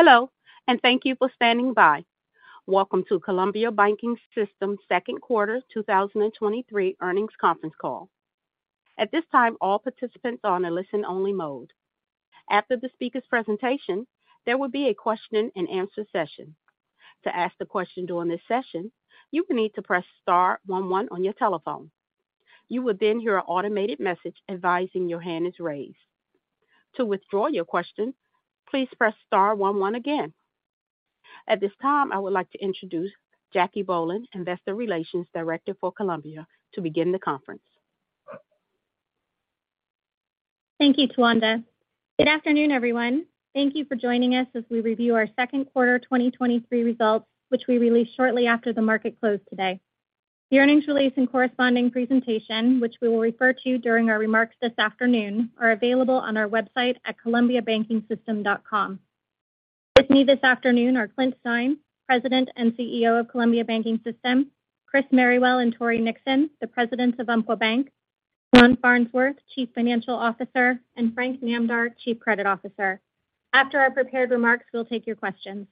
Hello. Thank you for standing by. Welcome to Columbia Banking System Second Quarter 2023 Earnings Conference Call. At this time, all participants are on a listen-only mode. After the speaker's presentation, there will be a question-and-answer session. To ask the question during this session, you will need to press star one one on your telephone. You will then hear an automated message advising your hand is raised. To withdraw your question, please press star one one again. At this time, I would like to introduce Jacque Bohlen, Investor Relations Director for Columbia, to begin the conference. Thank you, Tawanda. Good afternoon, everyone. Thank you for joining us as we review our second quarter 2023 results, which we released shortly after the market closed today. The earnings release and corresponding presentation, which we will refer to during our remarks this afternoon, are available on our website at columbiabankingsystem.com. With me this afternoon are Clint Stein, President and CEO of Columbia Banking System, Chris Merrywell and Tory Nixon, the presidents of Umpqua Bank, Ron Farnsworth, Chief Financial Officer, and Frank Namdar, Chief Credit Officer. After our prepared remarks, we'll take your questions.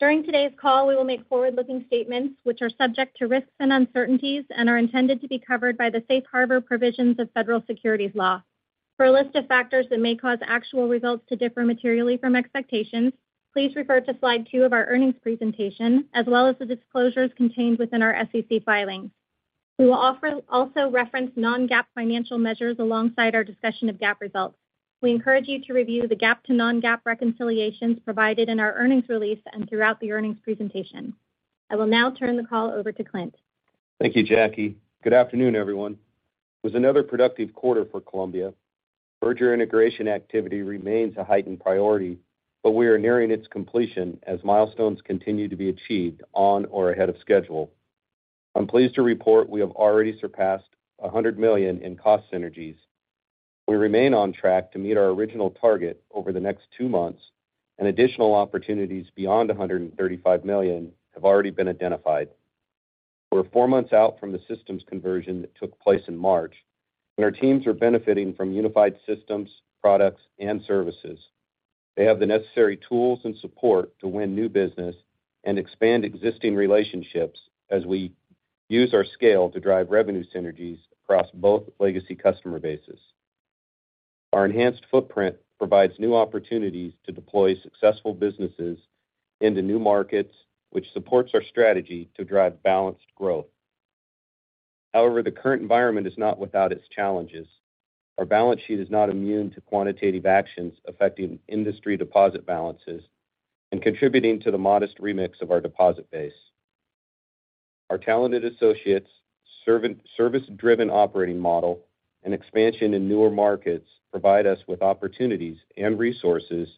During today's call, we will make forward-looking statements which are subject to risks and uncertainties and are intended to be covered by the Safe Harbor provisions of federal securities laws. For a list of factors that may cause actual results to differ materially from expectations, please refer to Slide two of our earnings presentation, as well as the disclosures contained within our SEC filings. We will also reference non-GAAP financial measures alongside our discussion of GAAP results. We encourage you to review the GAAP to non-GAAP reconciliations provided in our earnings release and throughout the earnings presentation. I will now turn the call over to Clint. Thank you, Jacque. Good afternoon, everyone. It was another productive quarter for Columbia. Merger integration activity remains a heightened priority. We are nearing its completion as milestones continue to be achieved on or ahead of schedule. I'm pleased to report we have already surpassed $100 million in cost synergies. We remain on track to meet our original target over the next two months. Additional opportunities beyond $135 million have already been identified. We're four months out from the systems conversion that took place in March. Our teams are benefiting from unified systems, products, and services. They have the necessary tools and support to win new business and expand existing relationships as we use our scale to drive revenue synergies across both legacy customer bases. Our enhanced footprint provides new opportunities to deploy successful businesses into new markets, which supports our strategy to drive balanced growth. However, the current environment is not without its challenges. Our balance sheet is not immune to quantitative actions affecting industry deposit balances and contributing to the modest remix of our deposit base. Our talented associates, service-driven operating model, and expansion in newer markets provide us with opportunities and resources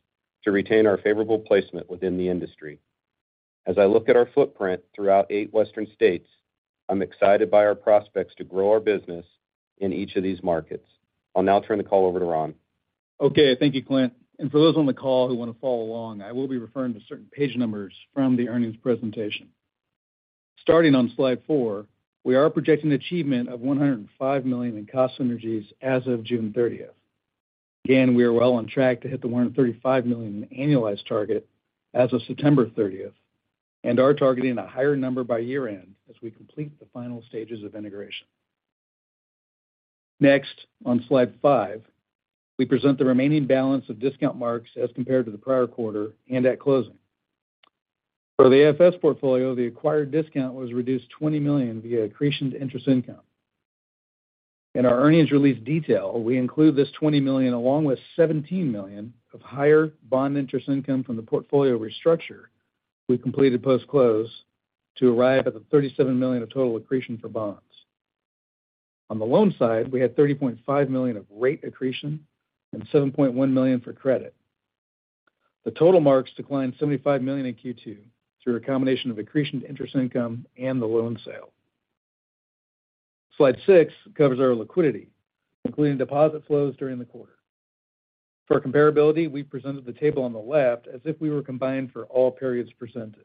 to retain our favorable placement within the industry. As I look at our footprint throughout eight Western states, I'm excited by our prospects to grow our business in each of these markets. I'll now turn the call over to Ron. Okay, thank you, Clint. For those on the call who want to follow along, I will be referring to certain page numbers from the earnings presentation. Starting on Slide four, we are projecting achievement of $105 million in cost synergies as of June 30th. Again, we are well on track to hit the $135 million in annualized target as of September 30th and are targeting a higher number by year-end as we complete the final stages of integration. Next, on Slide five, we present the remaining balance of discount marks as compared to the prior quarter and at closing. For the AFS portfolio, the acquired discount was reduced $20 million via accretion to interest income. In our earnings release detail, we include this $20 million, along with $17 million of higher bond interest income from the portfolio restructure we completed post-close to arrive at the $37 million of total accretion for bonds. On the loan side, we had $30.5 million of rate accretion and $7.1 million for credit. The total marks declined $75 million in Q2 through a combination of accretion to interest income and the loan sale. Slide six covers our liquidity, including deposit flows during the quarter. For comparability, we presented the table on the left as if we were combined for all periods presented.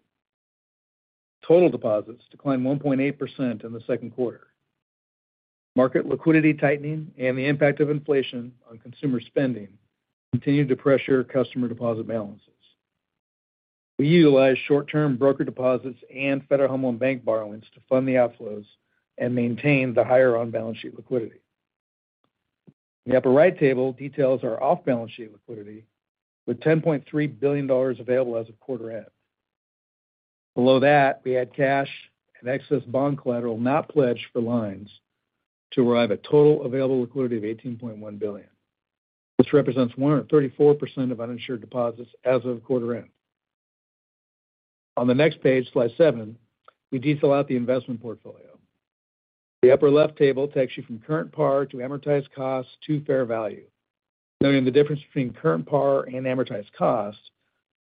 Total deposits declined 1.8% in the second quarter. Market liquidity tightening and the impact of inflation on consumer spending continued to pressure customer deposit balances. We utilized short-term broker deposits and Federal Home Loan Bank borrowings to fund the outflows and maintain the higher on-balance sheet liquidity. The upper right table details our off-balance sheet liquidity, with $10.3 billion available as of quarter end. Below that, we add cash and excess bond collateral not pledged for lines to arrive at total available liquidity of $18.1 billion. This represents 134% of uninsured deposits as of quarter end. On the next page, Slide seven, we detail out the investment portfolio. The upper left table takes you from current par to amortized cost to fair value. Knowing the difference between current par and amortized cost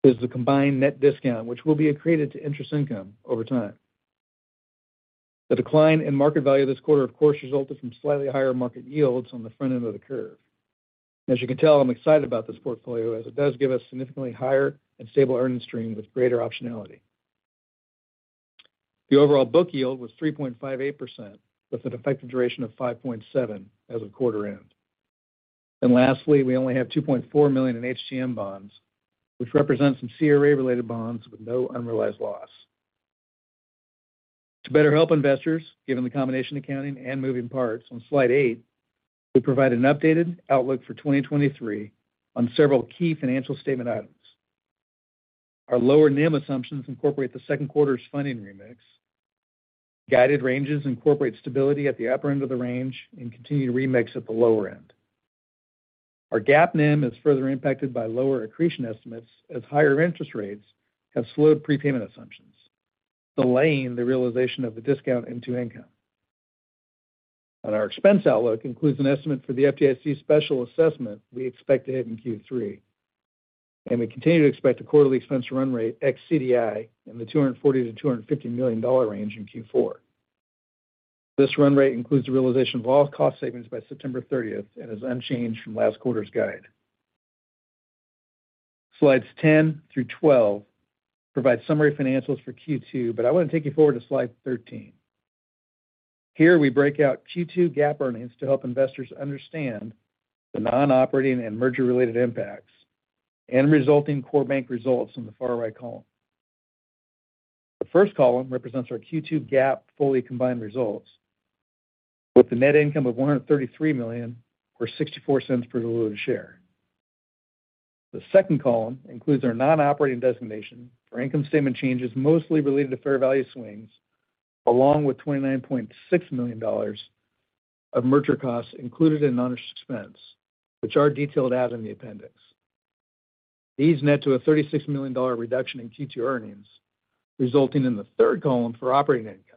is the combined net discount, which will be accreted to interest income over time. The decline in market value this quarter, of course, resulted from slightly higher market yields on the front end of the curve. As you can tell, I'm excited about this portfolio as it does give us significantly higher and stable earning stream with greater optionality. The overall book yield was 3.58%, with an effective duration of 5.7 as of quarter end. Lastly, we only have $2.4 million in HTM bonds, which represents some CRA-related bonds with no unrealized loss. To better help investors, given the combination accounting and moving parts, on Slide eight, we provide an updated outlook for 2023 on several key financial statement items. Our lower NIM assumptions incorporate the second quarter's funding remix. Guided ranges incorporate stability at the upper end of the range and continue to remix at the lower end. Our GAAP NIM is further impacted by lower accretion estimates, as higher interest rates have slowed prepayment assumptions, delaying the realization of the discount into income. Our expense outlook includes an estimate for the FDIC special assessment we expect to hit in Q3. We continue to expect a quarterly expense run rate ex CDI in the $240 million-$250 million range in Q4. This run rate includes the realization of all cost savings by September 30th and is unchanged from last quarter's guide. Slides 10 through 12 provide summary financials for Q2, I want to take you forward to Slide 13. Here, we break out Q2 GAAP earnings to help investors understand the non-operating and merger-related impacts and resulting core bank results in the far right column. The first column represents our Q2 GAAP fully combined results, with a net income of $133 million or $0.64 per diluted share. The second column includes our non-operating designation for income statement changes, mostly related to fair value swings, along with $29.6 million of merger costs included in non-expense, which are detailed out in the appendix. These net to a $36 million reduction in Q2 earnings, resulting in the third column for operating income.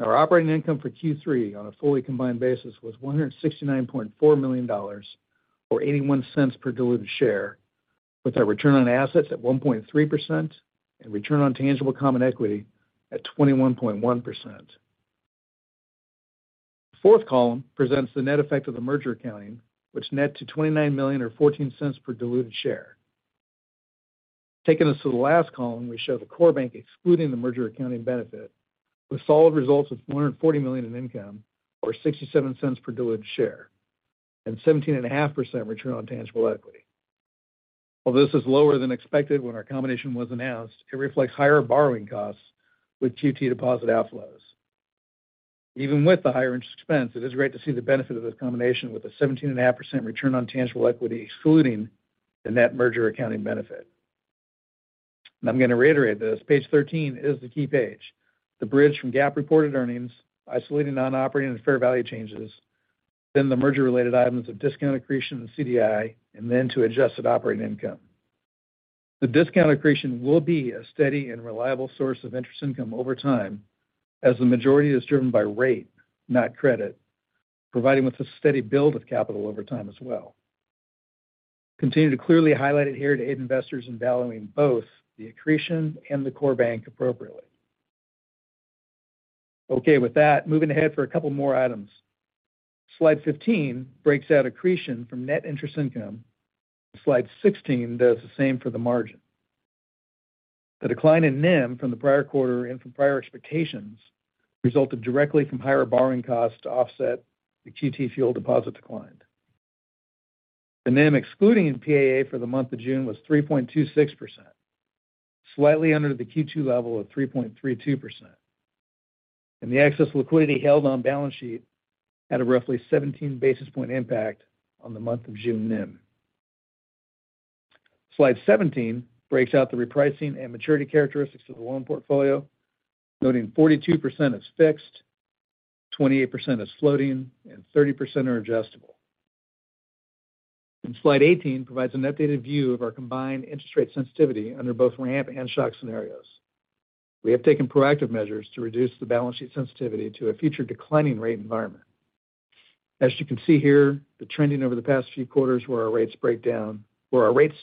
Our operating income for Q3 on a fully combined basis was $169.4 million or $0.81 per diluted share, with our return on assets at 1.3% and return on tangible common equity at 21.1%. The fourth column presents the net effect of the merger accounting, which net to $29 million or $0.14 per diluted share. Taking us to the last column, we show the core bank excluding the merger accounting benefit, with solid results of $140 million in income or $0.67 per diluted share, and 17.5% return on tangible equity. While this is lower than expected when our combination was announced, it reflects higher borrowing costs with Q2 deposit outflows. Even with the higher interest expense, it is great to see the benefit of this combination with a 17.5% return on tangible equity, excluding the net merger accounting benefit. I'm going to reiterate this, Page 13 is the key page. The bridge from GAAP reported earnings, isolating non-operating and fair value changes, then the merger-related items of discount accretion and CDI, and then to adjusted operating income. The discount accretion will be a steady and reliable source of interest income over time, as the majority is driven by rate, not credit, providing with a steady build of capital over time as well. Continue to clearly highlight it here to aid investors in valuing both the accretion and the core bank appropriately. Okay, with that, moving ahead for a couple more items. Slide 15 breaks out accretion from net interest income. Slide 16 does the same for the margin. The decline in NIM from the prior quarter and from prior expectations resulted directly from higher borrowing costs to offset the Q2 fuel deposit decline. The NIM, excluding PAA for the month of June, was 3.26%, slightly under the Q2 level of 3.32%. The excess liquidity held on balance sheet had a roughly 17 basis point impact on the month of June NIM. Slide 17 breaks out the repricing and maturity characteristics of the loan portfolio, noting 42% is fixed, 28% is floating, and 30% are adjustable. Slide 18 provides an updated view of our combined interest rate sensitivity under both ramp and shock scenarios. We have taken proactive measures to reduce the balance sheet sensitivity to a future declining rate environment. As you can see here, the trending over the past few quarters where our rates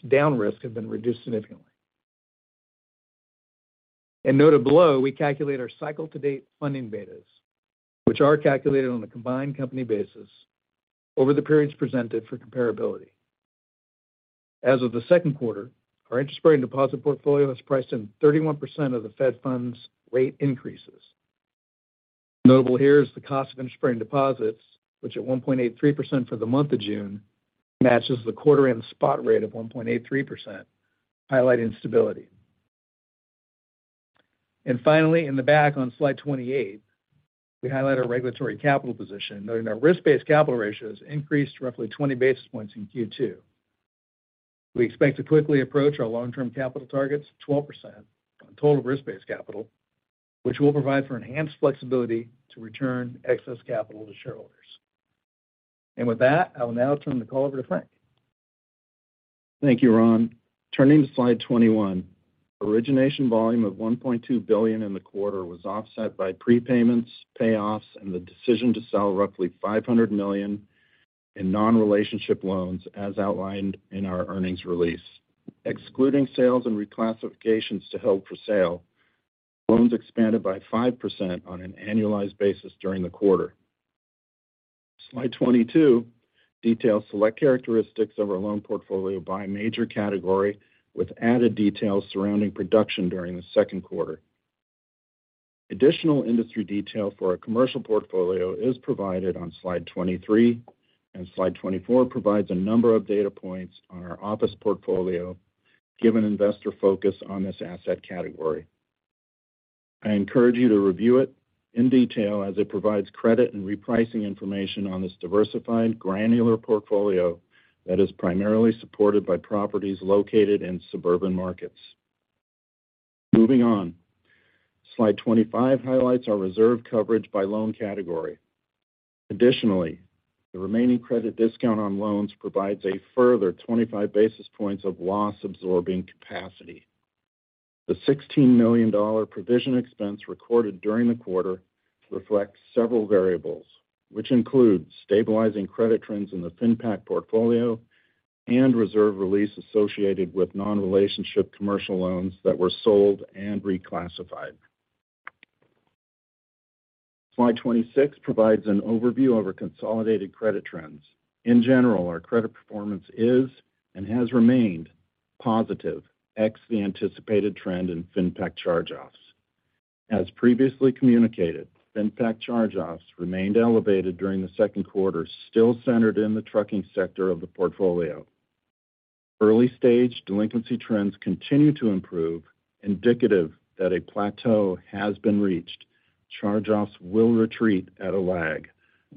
down risk have been reduced significantly. Noted below, we calculate our cycle-to-date funding betas, which are calculated on a combined company basis over the periods presented for comparability. As of the second quarter, our interest rate and deposit portfolio is priced in 31% of the Fed funds rate increases. Notable here is the cost of interest rate and deposits, which at 1.83% for the month of June, matches the quarter end spot rate of 1.83%, highlighting stability. Finally, in the back on Slide 28, we highlight our regulatory capital position, noting our risk-based capital ratios increased roughly 20 basis points in Q2. We expect to quickly approach our long-term capital targets, 12% on total risk-based capital, which will provide for enhanced flexibility to return excess capital to shareholders. With that, I will now turn the call over to Frank. Thank you, Ron. Turning to Slide 21, origination volume of $1.2 billion in the quarter was offset by prepayments, payoffs, and the decision to sell roughly $500 million in non-relationship loans, as outlined in our earnings release. Excluding sales and reclassifications to held for sale, loans expanded by 5% on an annualized basis during the quarter. Slide 22 details select characteristics of our loan portfolio by major category, with added details surrounding production during the second quarter. Additional industry detail for our commercial portfolio is provided on Slide 23 and Slide 24 provides a number of data points on our office portfolio, given investor focus on this asset category. I encourage you to review it in detail as it provides credit and repricing information on this diversified, granular portfolio that is primarily supported by properties located in suburban markets. Moving on. Slide 25 highlights our reserve coverage by loan category. Additionally, the remaining credit discount on loans provides a further 25 basis points of loss-absorbing capacity. The $16 million provision expense recorded during the quarter reflects several variables, which include stabilizing credit trends in the FinPac portfolio and reserve release associated with non-relationship commercial loans that were sold and reclassified. Slide 26 provides an overview of our consolidated credit trends. In general, our credit performance is and has remained positive, ex the anticipated trend in FinPac charge-offs. As previously communicated, FinPac charge-offs remained elevated during the second quarter, still centered in the trucking sector of the portfolio. Early-stage delinquency trends continue to improve, indicative that a plateau has been reached. Charge-offs will retreat at a lag.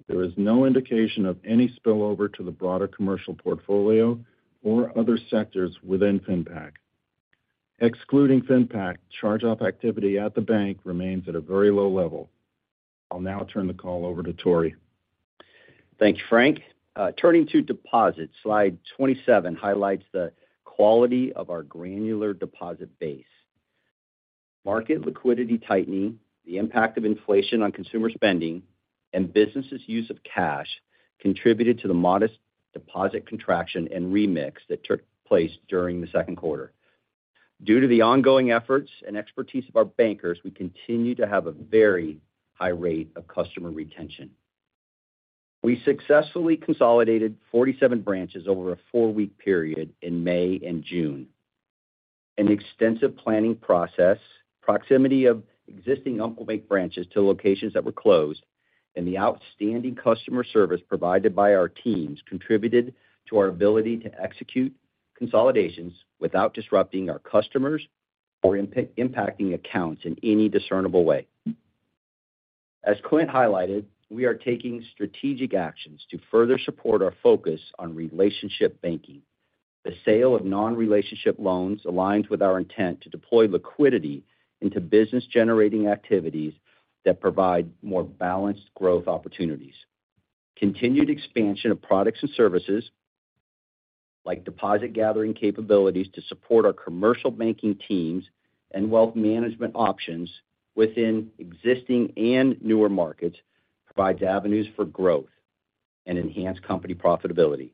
There is no indication of any spillover to the broader commercial portfolio or other sectors within FinPac. Excluding FinPac, charge-off activity at the bank remains at a very low level. I'll now turn the call over to Tory. Thank you, Frank. Turning to deposits, Slide 27 highlights the quality of our granular deposit base. Market liquidity tightening, the impact of inflation on consumer spending, and businesses' use of cash contributed to the modest deposit contraction and remix that took place during the second quarter. Due to the ongoing efforts and expertise of our bankers, we continue to have a very high rate of customer retention. We successfully consolidated 47 branches over a four-week period in May and June. An extensive planning process, proximity of existing Umpqua Bank branches to locations that were closed, and the outstanding customer service provided by our teams contributed to our ability to execute consolidations without disrupting our customers or impacting accounts in any discernible way. As Clint highlighted, we are taking strategic actions to further support our focus on relationship banking. The sale of non-relationship loans aligns with our intent to deploy liquidity into business-generating activities that provide more balanced growth opportunities. Continued expansion of products and services, like deposit gathering capabilities to support our commercial banking teams and wealth management options within existing and newer markets, provides avenues for growth and enhanced company profitability.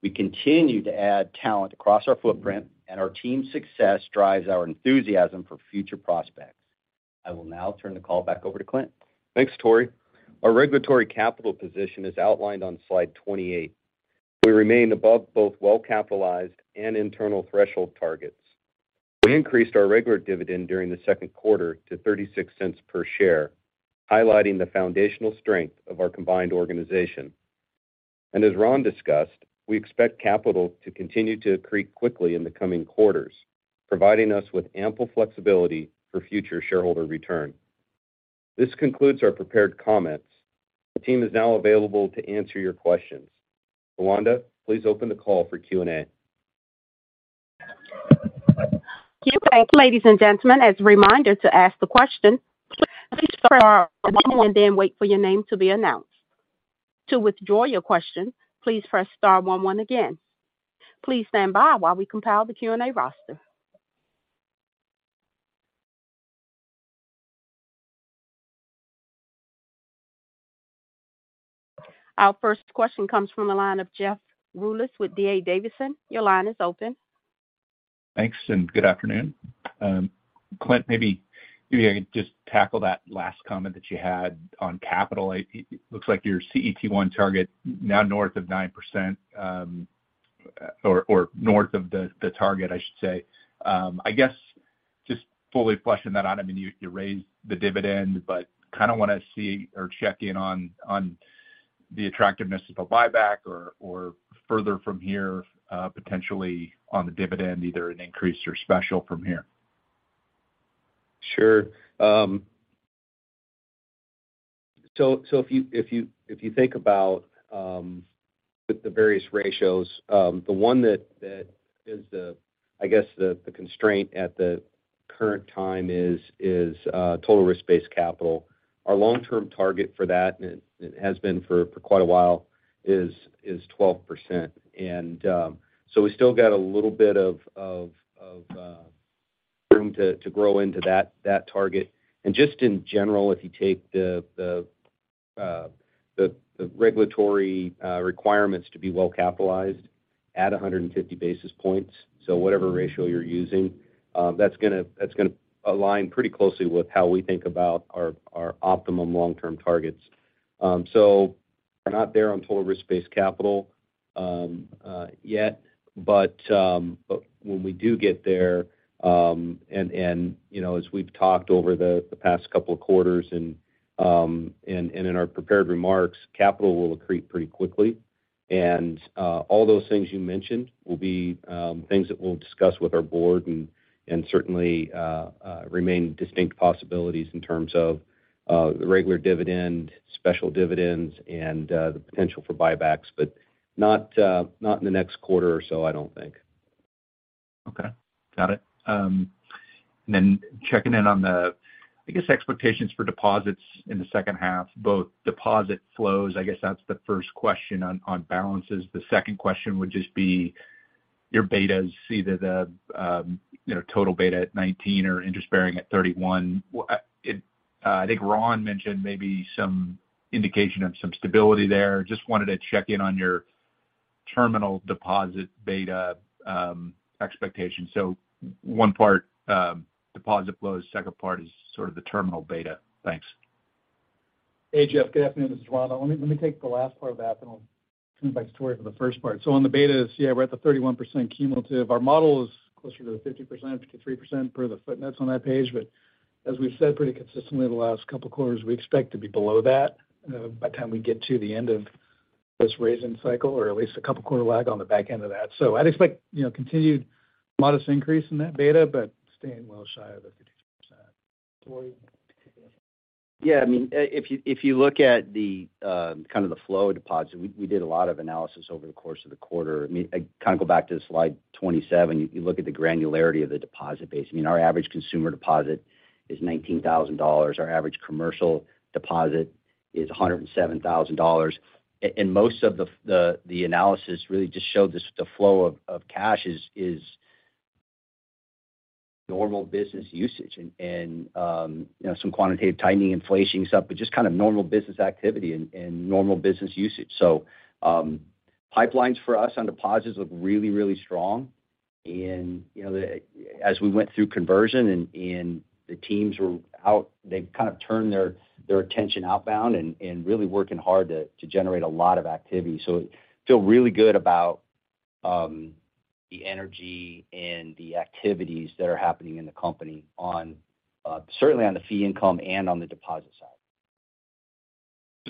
We continue to add talent across our footprint, and our team's success drives our enthusiasm for future prospects. I will now turn the call back over to Clint. Thanks, Tory. Our regulatory capital position is outlined on Slide 28. We remain above both well-capitalized and internal threshold targets. We increased our regular dividend during the second quarter to $0.36 per share, highlighting the foundational strength of our combined organization. As Ron discussed, we expect capital to continue to accrete quickly in the coming quarters, providing us with ample flexibility for future shareholder return. This concludes our prepared comments. The team is now available to answer your questions. Tawanda, please open the call for Q&A. Thank you, ladies and gentlemen. As a reminder, to ask the question, please press star one one, and then wait for your name to be announced. To withdraw your question, please press star one one again. Please stand by while we compile the Q&A roster. Our first question comes from the line of Jeff Rulis with D.A. Davidson. Your line is open. Thanks. Good afternoon. Clint, maybe I could just tackle that last comment that you had on capital. It looks like your CET1 target now north of 9%, or north of the target, I should say. I guess just fully fleshing that out, I mean, you raised the dividend, but kind of want to see or check in on the attractiveness of a buyback or further from here, potentially on the dividend, either an increase or special from here. Sure. If you think about the various ratios, I guess the constraint at the current time is total risk-based capital. Our long-term target for that, and it has been for quite a while, is 12%. We still got a little bit of room to grow into that target. Just in general, if you take the regulatory requirements to be well-capitalized at 150 basis points. Whatever ratio you're using, that's gonna align pretty closely with how we think about our optimum long-term targets. We're not there on total risk-based capital yet, but when we do get there, and, you know, as we've talked over the past couple of quarters and in our prepared remarks, capital will accrete pretty quickly. We're not there on total risk-based capital yet, but when we do get there, and, you know, as we've talked over the past couple of quarters and in our prepared remarks, capital will accrete pretty quickly. All those things you mentioned will be things that we'll discuss with our Board and certainly remain distinct possibilities in terms of the regular dividend, special dividends, and the potential for buybacks, but not in the next quarter or so, I don't think. Okay, got it. checking in on the, I guess, expectations for deposits in the second half, both deposit flows, I guess that's the first question on balances. The second question would just be your betas, see that the, you know, total beta at 19 or interest bearing at 31%. I think Ron mentioned maybe some indication of some stability there. Just wanted to check in on your terminal deposit beta, expectation. So one part, deposit flows, second part is sort of the terminal beta. Thanks. Hey, Jeff, good afternoon. This is Ron. Let me take the last part of that, and I'll turn it back to Tory for the first part. On the beta, see, we're at the 31% cumulative. Our model is closer to the 50%, 53% per the footnotes on that page. As we've said pretty consistently the last couple of quarters, we expect to be below that, by the time we get to the end of this raising cycle, or at least a couple of quarter lag on the back end of that. I'd expect, you know, continued modest increase in that beta, but staying well shy of the 52%. Tory? Yeah, I mean, if you, if you look at the kind of the flow deposits, we did a lot of analysis over the course of the quarter. I mean, I kind of go back to Slide 27. You look at the granularity of the deposit base. I mean, our average consumer deposit is $19,000. Our average commercial deposit is $107,000. Most of the the analysis really just showed this, the flow of cash is normal business usage and, you know, some quantitative tightening, inflation stuff, but just kind of normal business activity and normal business usage. Pipelines for us on deposits look really, really strong. You know, as we went through conversion and the teams were out, they kind of turned their attention outbound and really working hard to generate a lot of activity. Feel really good about the energy and the activities that are happening in the company on certainly on the fee income and on the deposit side.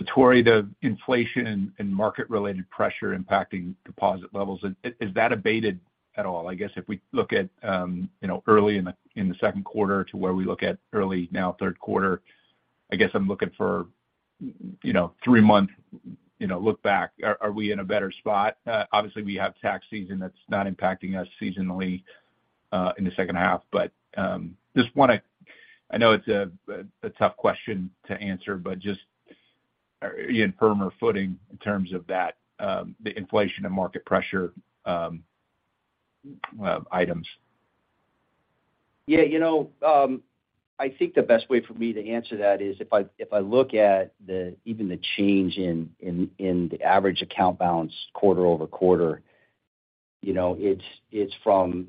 Tory, the inflation and market-related pressure impacting deposit levels, is that abated at all? I guess if we look at, you know, early in the second quarter to where we look at early now, third quarter, I guess I'm looking for, you know, three-month, you know, look back. Are we in a better spot? Obviously, we have tax season that's not impacting us seasonally in the second half. I know it's a tough question to answer, but just are you in firmer footing in terms of that, the inflation and market pressure items? Yeah, you know, I think the best way for me to answer that is if I, if I look at the even the change in the average account balance quarter-over-quarter, you know, it's from,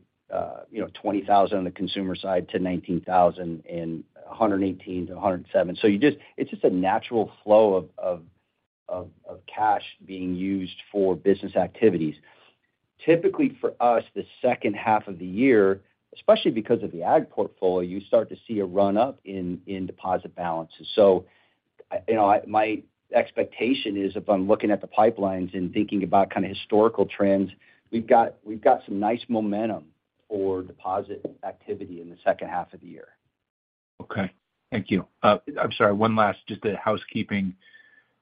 you know, $20,000 on the consumer side to $19,000 and $118-$107. It's just a natural flow of cash being used for business activities. Typically for us, the second half of the year, especially because of the ag portfolio, you start to see a run-up in deposit balances. You know, my expectation is if I'm looking at the pipelines and thinking about kind of historical trends, we've got some nice momentum for deposit activity in the second half of the year. Okay. Thank you. I'm sorry, one last, just a housekeeping.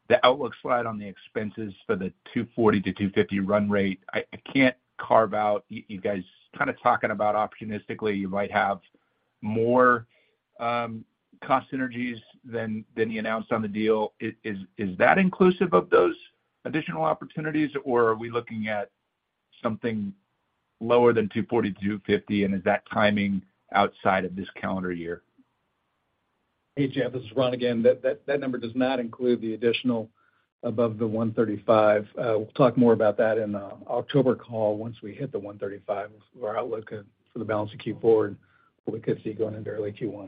The outlook slide on the expenses for the $240 million-$250 million run rate, I can't carve out. You guys kind of talking about opportunistically, you might have more cost synergies than you announced on the deal. Is that inclusive of those additional opportunities, or are we looking at something lower than $240 million-$250 million, and is that timing outside of this calendar year? Hey, Jeff, this is Ron again. That number does not include the additional above the 135. We'll talk more about that in the October call once we hit the 135. Our outlook for the balance of Q4, we could see going into early Q1.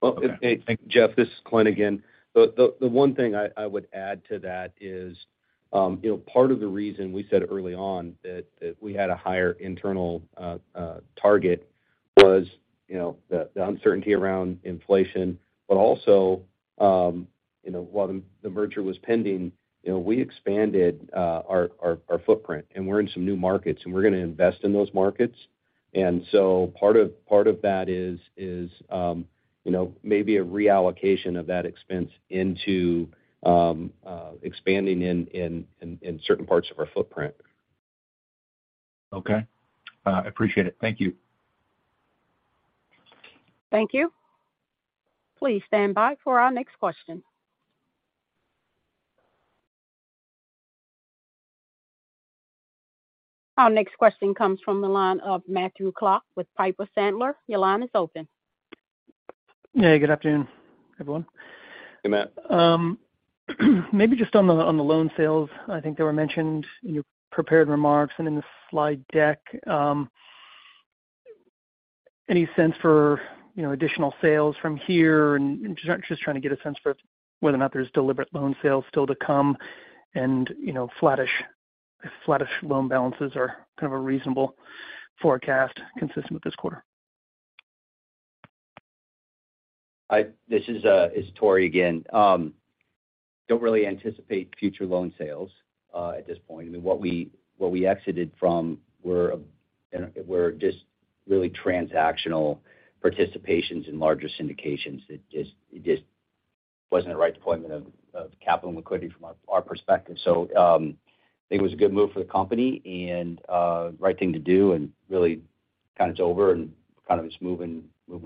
Well, hey, Jeff, this is Clint again. The one thing I would add to that is, you know, part of the reason we said early on that we had a higher internal target was, you know, the uncertainty around inflation, but also, you know, while the merger was pending, you know, we expanded our footprint, and we're in some new markets, and we're going to invest in those markets. Part of that is, you know, maybe a reallocation of that expense into expanding in certain parts of our footprint. Okay. Appreciate it. Thank you. Thank you. Please stand by for our next question. Our next question comes from the line of Matthew Clark with Piper Sandler. Your line is open. Yeah, good afternoon, everyone. Hey, Matt. Maybe just on the loan sales, I think they were mentioned in your prepared remarks and in the slide deck. Any sense for, you know, additional sales from here? Just trying to get a sense for whether or not there's deliberate loan sales still to come and, you know, flattish loan balances are kind of a reasonable forecast consistent with this quarter. This is, it's Tory again. Don't really anticipate future loan sales at this point. I mean, what we exited from were just really transactional participations in larger syndications that, it just wasn't the right deployment of capital and liquidity from our perspective. I think it was a good move for the company and right thing to do, and really kind of it's over and kind of it's moving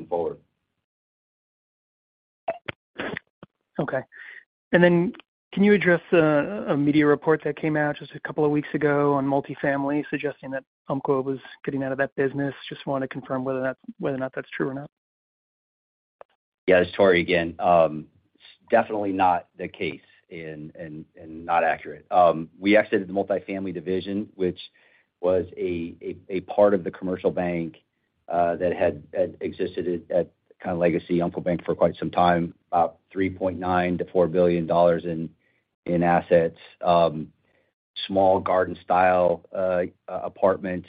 forward. Can you address a media report that came out just a couple of weeks ago on multifamily, suggesting that Umpqua was getting out of that business? Just want to confirm whether or not that's true or not. Yeah, it's Tory again. definitely not the case and not accurate. we exited the multifamily division, which was a part of the commercial bank that had existed at kind of legacy Umpqua Bank for quite some time, about $3.9 billion-$4 billion in assets. Small garden-style apartments,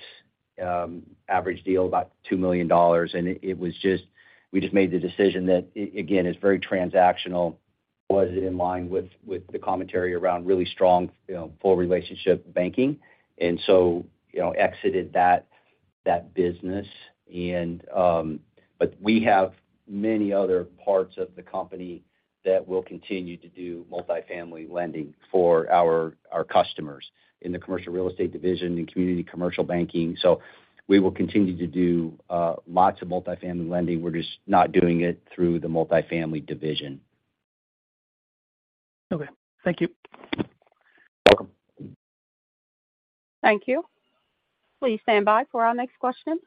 average deal about $2 million and we just made the decision that again, it's very transactional. Was it in line with the commentary around really strong, you know, full relationship banking? exited that business. We have many other parts of the company that will continue to do multifamily lending for our customers in the commercial real estate division and community commercial banking. We will continue to do lots of multifamily lending. We're just not doing it through the multifamily division. Okay. Thank you. Welcome. Thank you. Please stand by for our next question.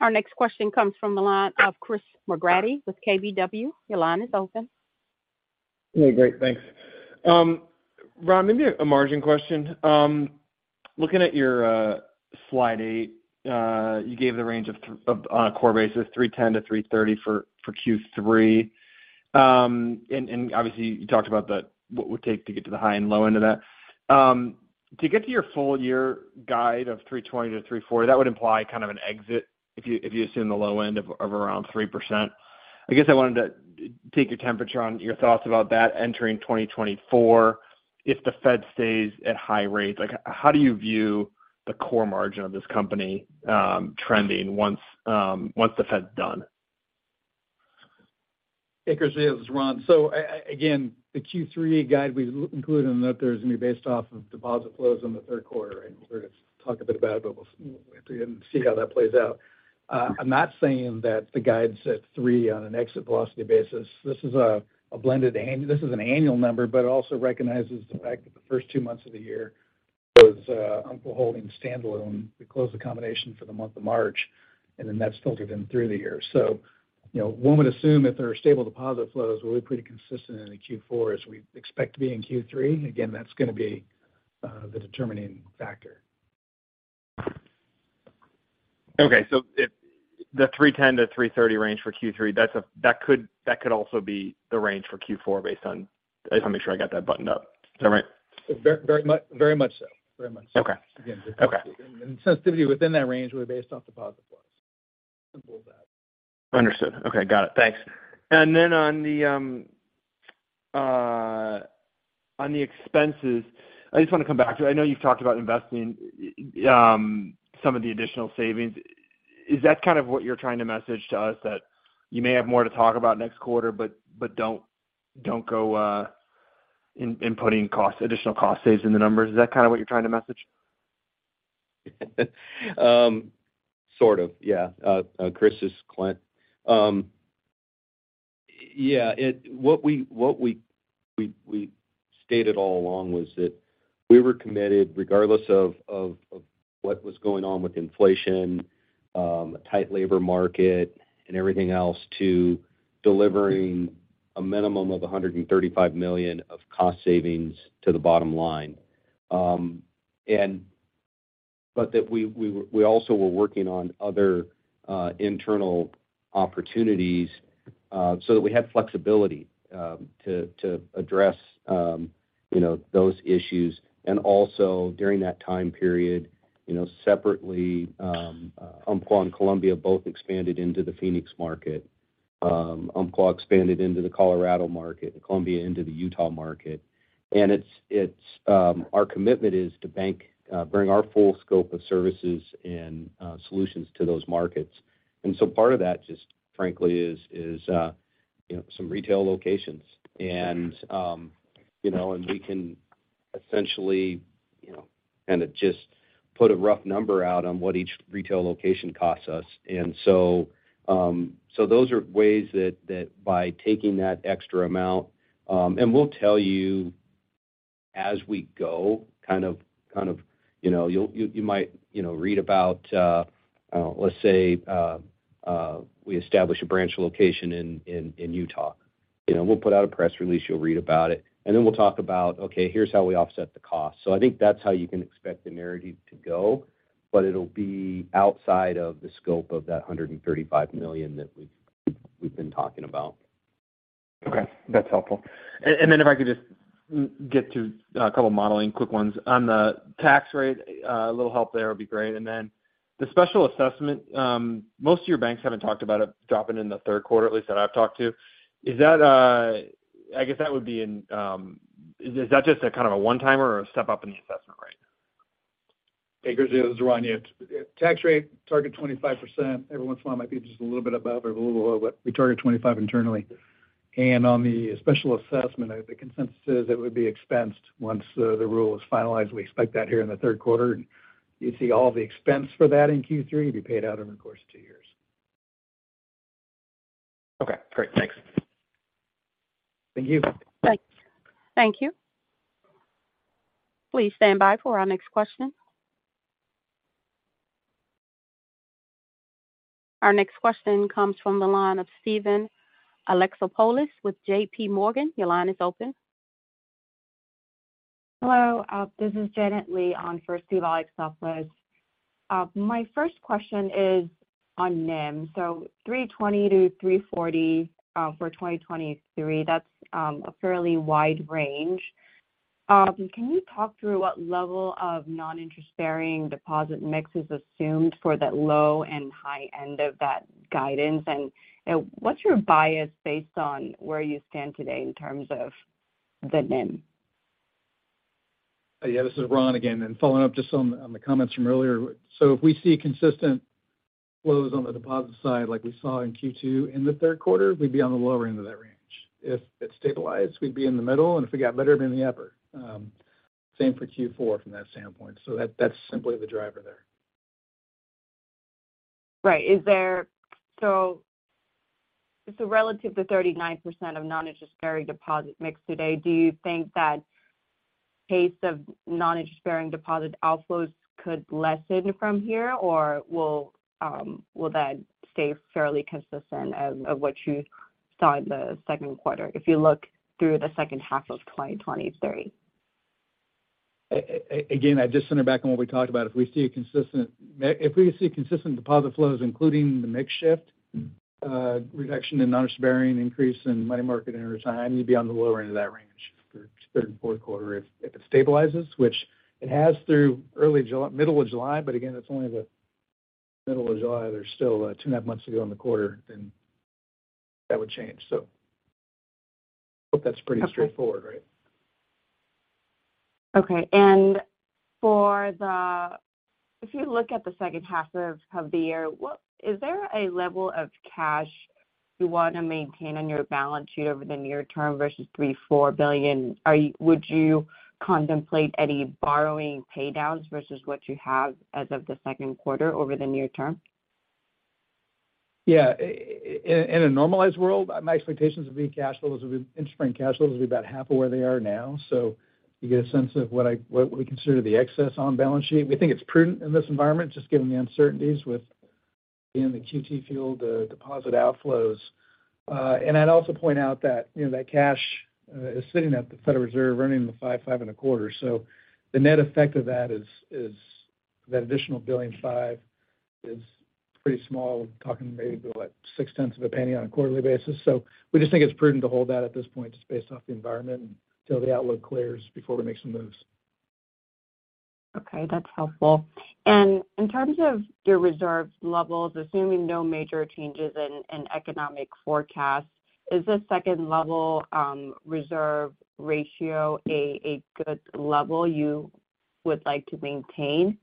Our next question comes from the line of Christopher McGratty with KBW. Your line is open. Hey, great. Thanks. Ron, maybe a margin question. Looking at your slide eight, you gave the range of on a core basis, 3.10%-3.30% for Q3. Obviously you talked about the, what it would take to get to the high and low end of that. To get to your full year guide of 3.20%-3.40%, that would imply kind of an exit if you assume the low end of around 3%. I guess I wanted to take your temperature on your thoughts about that entering 2024. If the Fed stays at high rates, like, how do you view the core margin of this company trending once the Fed's done? Hey, Chris, this is Ron. Again, the Q3 guide we included in the letters is going to be based off of deposit flows in the third quarter, and we're going to talk a bit about it, but we'll have to see how that plays out. I'm not saying that the guide's at three on an exit velocity basis. This is a blended, this is an annual number, but it also recognizes the fact that the first two months of the year was Umpqua holding standalone. We closed the combination for the month of March, and then that's filtered in through the year. You know, one would assume if there are stable deposit flows, we'll be pretty consistent into Q4 as we expect to be in Q3. That's going to be the determining factor. Okay. If the 3.10%-3.30% range for Q3, that could also be the range for Q4 based on... Just want to make sure I got that buttoned up. Is that right? Very much so. Okay. Again- Okay. Sensitivity within that range would be based off deposit flows. Simple as that. Understood. Okay. Got it. Thanks. Then on the expenses, I just want to come back to it. I know you've talked about investing some of the additional savings. Is that kind of what you're trying to message to us? That you may have more to talk about next quarter, but don't go putting cost, additional cost saves in the numbers. Is that kind of what you're trying to message? Sort of, yeah. Chris, it's Clint. Yeah, what we stated all along was that we were committed, regardless of what was going on with inflation, a tight labor market, and everything else, to delivering a minimum of $135 million of cost savings to the bottom line. But that we also were working on other internal opportunities, so that we had flexibility to address, you know, those issues. Also during that time period, you know, separately, Umpqua and Columbia both expanded into the Phoenix market. Umpqua expanded into the Colorado market and Columbia into the Utah market. It's, our commitment is to bank, bring our full scope of services and solutions to those markets. Part of that, just frankly, is, you know, some retail locations and, you know, and we can essentially, you know, kind of just put a rough number out on what each retail location costs us. So those are ways that by taking that extra amount. We'll tell you as we go, kind of, you know, you might, you know, read about, let's say, we establish a branch location in Utah. You know, we'll put out a press release, you'll read about it, and then we'll talk about, okay, here's how we offset the cost. I think that's how you can expect the narrative to go, but it'll be outside of the scope of that $135 million that we've been talking about. Okay, that's helpful. Then if I could just get to a couple of modeling, quick ones. On the tax rate, a little help there would be great. Then the special assessment, most of your banks haven't talked about it dropping in the third quarter, at least that I've talked to. Is that? I guess that would be in, is that just a kind of a one-timer or a step up in the assessment rate? Hey Chris, this is Ron. Yeah, tax rate, target 25%. Every once in a while, it might be just a little bit above or a little below, but we target 25% internally. On the special assessment, the consensus is it would be expensed once the rule is finalized. We expect that here in the third quarter. You'd see all the expense for that in Q3 to be paid out over the course of two years. Okay, great. Thanks. Thank you. Thank you. Please stand by for our next question. Our next question comes from the line of Steven Alexopoulos with JPMorgan. Your line is open. Hello, this is Janet Lee on for Steven Alexopoulos. My first question is on NIM. 3.20%-3.40% for 2023, that's a fairly wide range. Can you talk through what level of non-interest-bearing deposit mix is assumed for that low and high end of that guidance? What's your bias based on where you stand today in terms of the NIM? Yeah, this is Ron again, following up just on the comments from earlier. If we see consistent flows on the deposit side, like we saw in Q2 in the third quarter, we'd be on the lower end of that range. If it stabilized, we'd be in the middle, and if it got better, than the upper. Same for Q4 from that standpoint. That's simply the driver there. Right. It's a relative to 39% of non-interest-bearing deposit mix today. Do you think that pace of non-interest-bearing deposit outflows could lessen from here, or will that stay fairly consistent of what you saw in the second quarter, if you look through the second half of 2023? Again, I'd just send it back on what we talked about. If we see consistent deposit flows, including the mix shift, reduction in non-interest-bearing, increase in money market and rates, I need to be on the lower end of that range for third and fourth quarter. If it stabilizes, which it has through early July, middle of July, but again, it's only the middle of July, there's still 2.5 months to go in the quarter, then that would change. I hope that's pretty straightforward, right? Okay. For the if you look at the second half of the year, is there a level of cash you want to maintain on your balance sheet over the near term versus $3 billion-$4 billion? Would you contemplate any borrowing paydowns versus what you have as of the second quarter over the near term? Yeah. In a normalized world, my expectations would be cash flows, interest paying cash flows, will be about half of where they are now. You get a sense of what we consider the excess on balance sheet. We think it's prudent in this environment, just given the uncertainties with in the QT field, deposit outflows. I'd also point out that, you know, that cash is sitting at the Federal Reserve, earning the 5%, 5.25%. The net effect of that is that additional $1.5 billion is pretty small. We're talking maybe, what, $0.006 on a quarterly basis. We just think it's prudent to hold that at this point, just based off the environment until the outlook clears before we make some moves. Okay, that's helpful. In terms of your reserve levels, assuming no major changes in economic forecast, is the second level, reserve ratio, a good level you would like to maintain?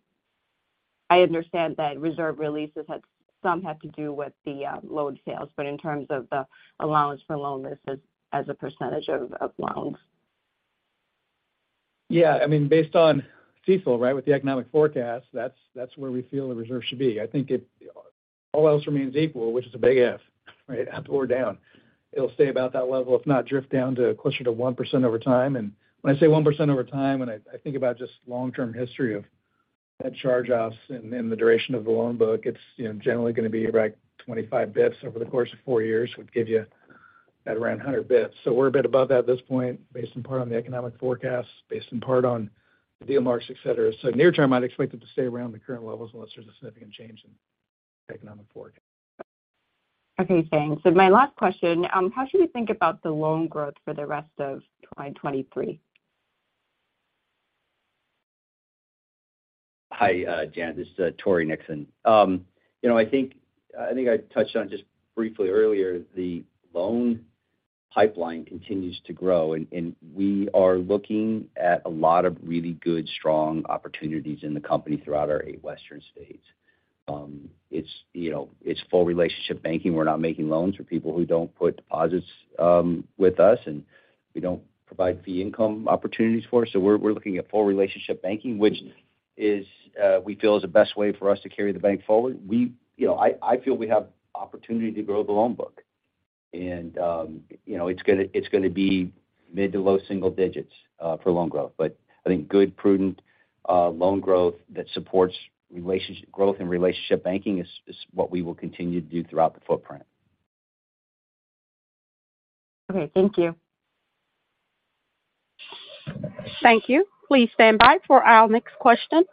I understand that reserve releases have. Some have to do with the loan sales, but in terms of the allowance for loan losses as a % of loans. Yeah, I mean, based on CECL, right, with the economic forecast, that's where we feel the reserve should be. All else remains equal, which is a big F, right? Up or down. It'll stay about that level, if not drift down to closer to 1% over time. When I say 1% over time, I think about just long-term history of charge-offs and the duration of the loan book, it's, you know, generally going to be right 25 bits over the course of four years, would give you at around 100 bits. We're a bit above that at this point, based in part on the economic forecast, based in part on the deal marks, etc. Near term, I'd expect it to stay around the current levels unless there's a significant change in the economic forecast. Okay, thanks. My last question, how should we think about the loan growth for the rest of 2023? Hi, Jan, this is Tory Nixon. You know, I think I touched on just briefly earlier, the loan pipeline continues to grow, and we are looking at a lot of really good, strong opportunities in the company throughout our eight western states. It's, you know, it's full relationship banking. We're not making loans for people who don't put deposits with us, and we don't provide fee income opportunities for us. We're looking at full relationship banking, is, we feel is the best way for us to carry the bank forward. We, you know, I feel we have opportunity to grow the loan book. You know, it's gonna be mid- to low-single digits for loan growth. I think good, prudent, loan growth that supports relationship growth and relationship banking is what we will continue to do throughout the footprint. Okay, thank you. Thank you. Please stand by for our next question.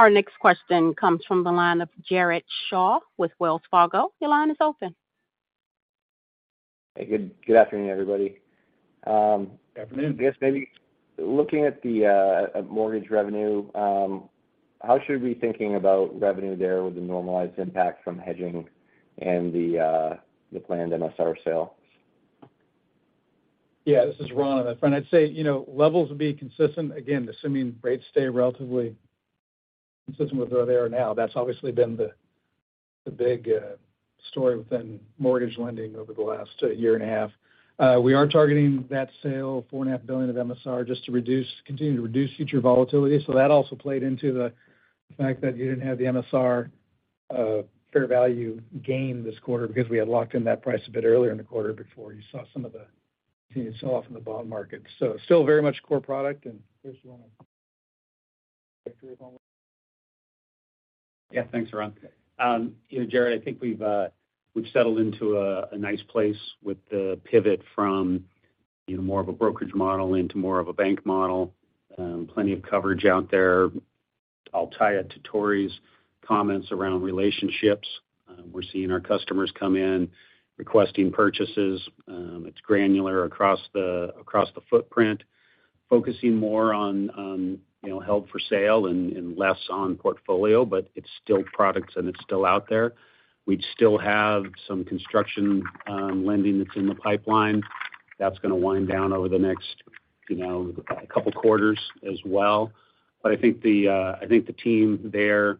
Our next question comes from the line of Jared Shaw with Wells Fargo. Your line is open. Hey, good afternoon, everybody. Afternoon. Yes, maybe. Looking at mortgage revenue, how should we be thinking about revenue there with the normalized impact from hedging and the planned MSR sale? Yeah, this is Ron. I'd say, you know, levels would be consistent. Again, assuming rates stay relatively consistent with where they are now. That's obviously been the big story within mortgage lending over the last year and a half. We are targeting that sale, 4.5 billion of MSR, just to continue to reduce future volatility. That also played into the fact that you didn't have the MSR fair value gain this quarter because we had locked in that price a bit earlier in the quarter before you saw some of the continued sell-off in the bond market. Still very much core product, and Chris, you want to...? Yeah, thanks, Ron. you know, Jared, I think we've settled into a nice place with the pivot from, you know, more of a brokerage model into more of a bank model, plenty of coverage out there. I'll tie it to Tory's comments around relationships. We're seeing our customers come in requesting purchases. It's granular across the, across the footprint, focusing more on, you know, held for sale and less on portfolio, but it's still products, and it's still out there. We still have some construction, lending that's in the pipeline. That's gonna wind down over the next, you know, two quarters as well. I think the team there,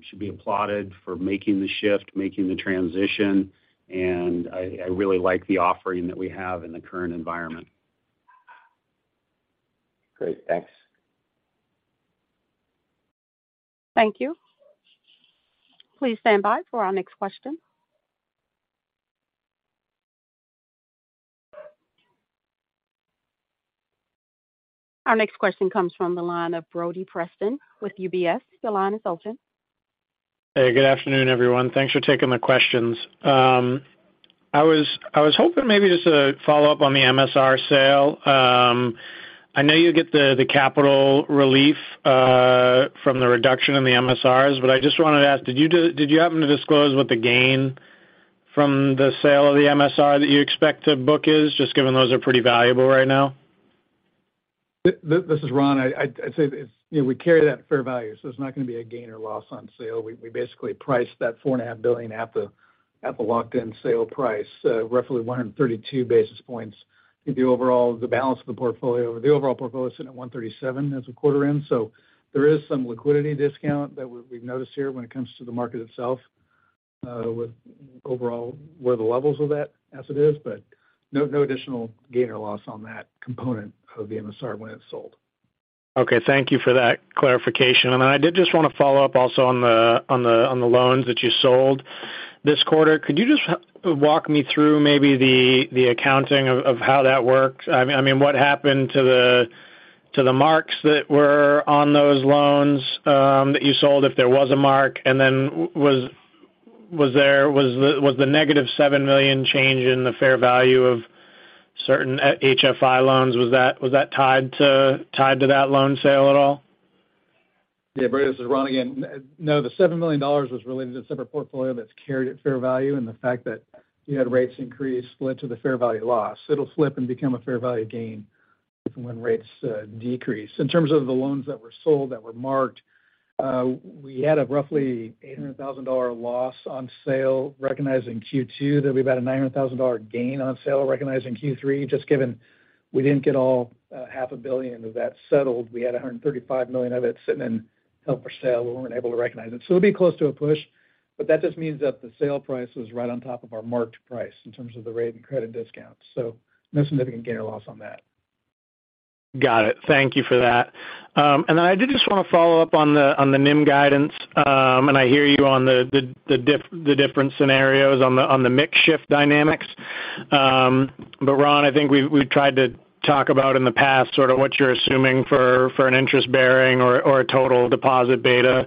should be applauded for making the shift, making the transition, and I really like the offering that we have in the current environment. Great. Thanks. Thank you. Please stand by for our next question. Our next question comes from the line of Brody Preston with UBS. Your line is open. Hey, good afternoon, everyone. Thanks for taking the questions. I was hoping maybe just to follow up on the MSR sale. I know you get the capital relief from the reduction in the MSRs, but I just wanted to ask, did you happen to disclose what the gain from the sale of the MSR that you expect to book is, just given those are pretty valuable right now? This is Ron. I'd say, you know, we carry that fair value, so there's not gonna be a gain or loss on sale. We basically priced that four and a half billion at the, at the locked-in sale price, so roughly 132 basis points. I think the overall, the balance of the portfolio, the overall portfolio is sitting at 137 as a quarter in. There is some liquidity discount that we've noticed here when it comes to the market itself, with overall where the levels of that as it is, but no additional gain or loss on that component of the MSR when it's sold. Okay, thank you for that clarification. I did just want to follow up also on the loans that you sold this quarter. Could you just walk me through maybe the accounting of how that worked? I mean, what happened to the marks that were on those loans that you sold, if there was a mark? Was there was the negative $7 million change in the fair value of certain HFI loans, was that tied to that loan sale at all? Yeah, Brody, this is Ron again. No, the $7 million was related to a separate portfolio that's carried at fair value, and the fact that you had rates increase led to the fair value loss. It'll flip and become a fair value gain when rates decrease. In terms of the loans that were sold, that were marked, we had a roughly $800,000 loss on sale recognized in Q2. There'll be about a $900,000 gain on sale recognized in Q3, just given we didn't get all $500 million of that settled. We had $135 million of it sitting in held for sale, we weren't able to recognize it. It'll be close to a push, but that just means that the sale price was right on top of our marked price in terms of the rate and credit discount. No significant gain or loss on that. Got it. Thank you for that. I did just want to follow up on the NIM guidance. I hear you on the different scenarios on the mix shift dynamics. Ron, I think we've tried to talk about in the past, sort of what you're assuming for an interest bearing or a total deposit beta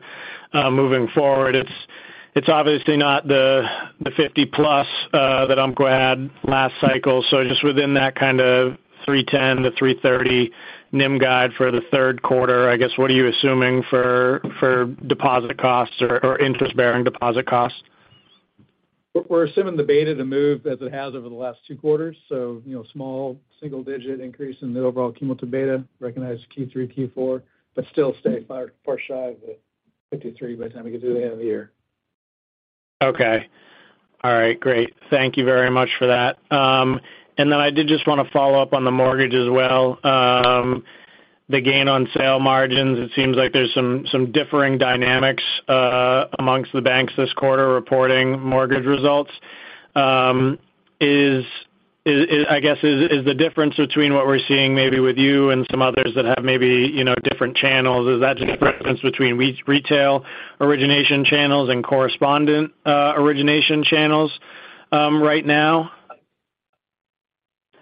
moving forward. It's obviously not the 50+ that Umpqua had last cycle. Just within that kind of 3.10%-3.30% NIM guide for the third quarter, I guess, what are you assuming for deposit costs or interest-bearing deposit costs? We're assuming the beta to move as it has over the last two quarters. You know, small single-digit increase in the overall cumulative beta, recognize Q3, Q4, but still stay far, far shy of the 53 by the time we get to the end of the year. Okay. All right, great. Thank you very much for that. I did just want to follow up on the mortgage as well. The gain on sale margins, it seems like there's some differing dynamics amongst the banks this quarter, reporting mortgage results. Is, I guess, is the difference between what we're seeing maybe with you and some others that have maybe, you know, different channels, is that just a difference between retail origination channels and correspondent origination channels right now?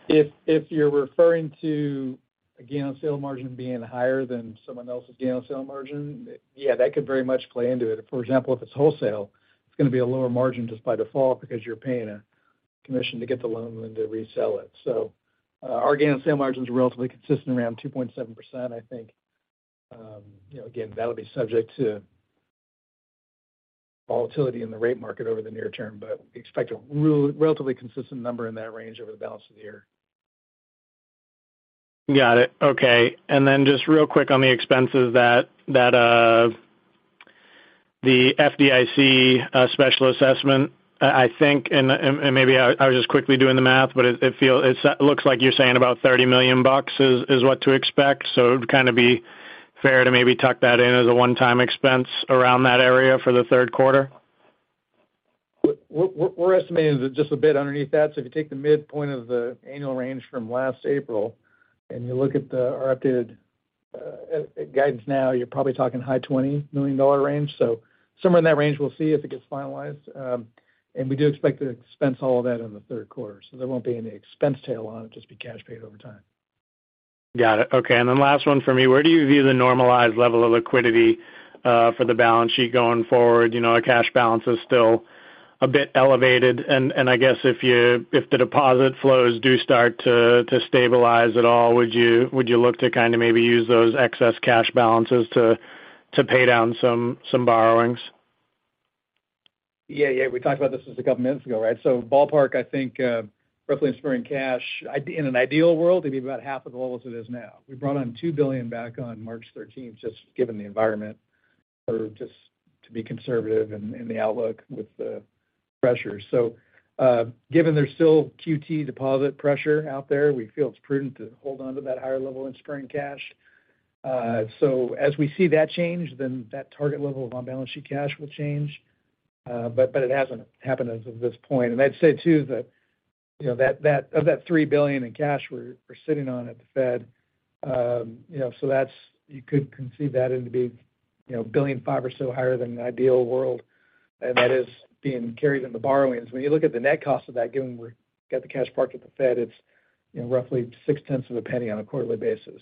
If you're referring to a gain on sale margin being higher than someone else's gain on sale margin, yeah, that could very much play into it. For example, if it's wholesale, it's going to be a lower margin just by default, because you're paying a commission to get the loan than to resell it. Our gain on sale margin is relatively consistent, around 2.7%, I think. You know, again, that'll be subject to volatility in the rate market over the near term, but we expect a relatively consistent number in that range over the balance of the year. Got it. Okay. Just real quick on the expenses that the FDIC special assessment, I think, and maybe I was just quickly doing the math, but it looks like you're saying about $30 million is what to expect. It would kind of be fair to maybe tuck that in as a one-time expense around that area for the third quarter? We're estimating just a bit underneath that. If you take the midpoint of the annual range from last April, and you look at the our updated guidance now, you're probably talking high $20 million range. Somewhere in that range, we'll see if it gets finalized. We do expect to expense all of that in the third quarter, so there won't be any expense tail on it, just be cash paid over time. Got it. Okay, then last one for me. Where do you view the normalized level of liquidity for the balance sheet going forward? You know, our cash balance is still a bit elevated, and I guess if the deposit flows do start to stabilize at all, would you look to kind of maybe use those excess cash balances to pay down some borrowings? Yeah, we talked about this just a couple of minutes ago, right? Ballpark, I think, roughly in spring cash, in an ideal world, it'd be about half of the levels it is now. We brought on $2 billion back on March 13th, just given the environment or just to be conservative in the outlook with the pressure. Given there's still QT deposit pressure out there, we feel it's prudent to hold on to that higher level in spring cash. As we see that change, then that target level of on-balance sheet cash will change. But it hasn't happened as of this point. I'd say, too, that, you know, that of that $3 billion in cash we're sitting on at the Fed, you know, so that's you could conceive that into be, you know, $1.5 billion or so higher than an ideal world, and that is being carried in the borrowings. When you look at the net cost of that, given we've got the cash park at the Fed, it's, you know, roughly $0.006 on a quarterly basis.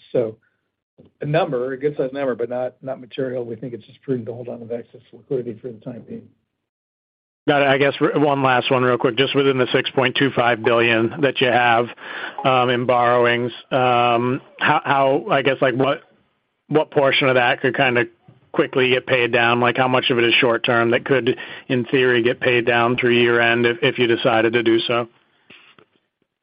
A number, a good-sized number, but not material. We think it's just prudent to hold on to the excess liquidity for the time being. Got it. I guess one last one real quick. Just within the $6.25 billion that you have, in borrowings, how I guess, like, what portion of that could kind of quickly get paid down? Like, how much of it is short term that could, in theory, get paid down through year-end if you decided to do so?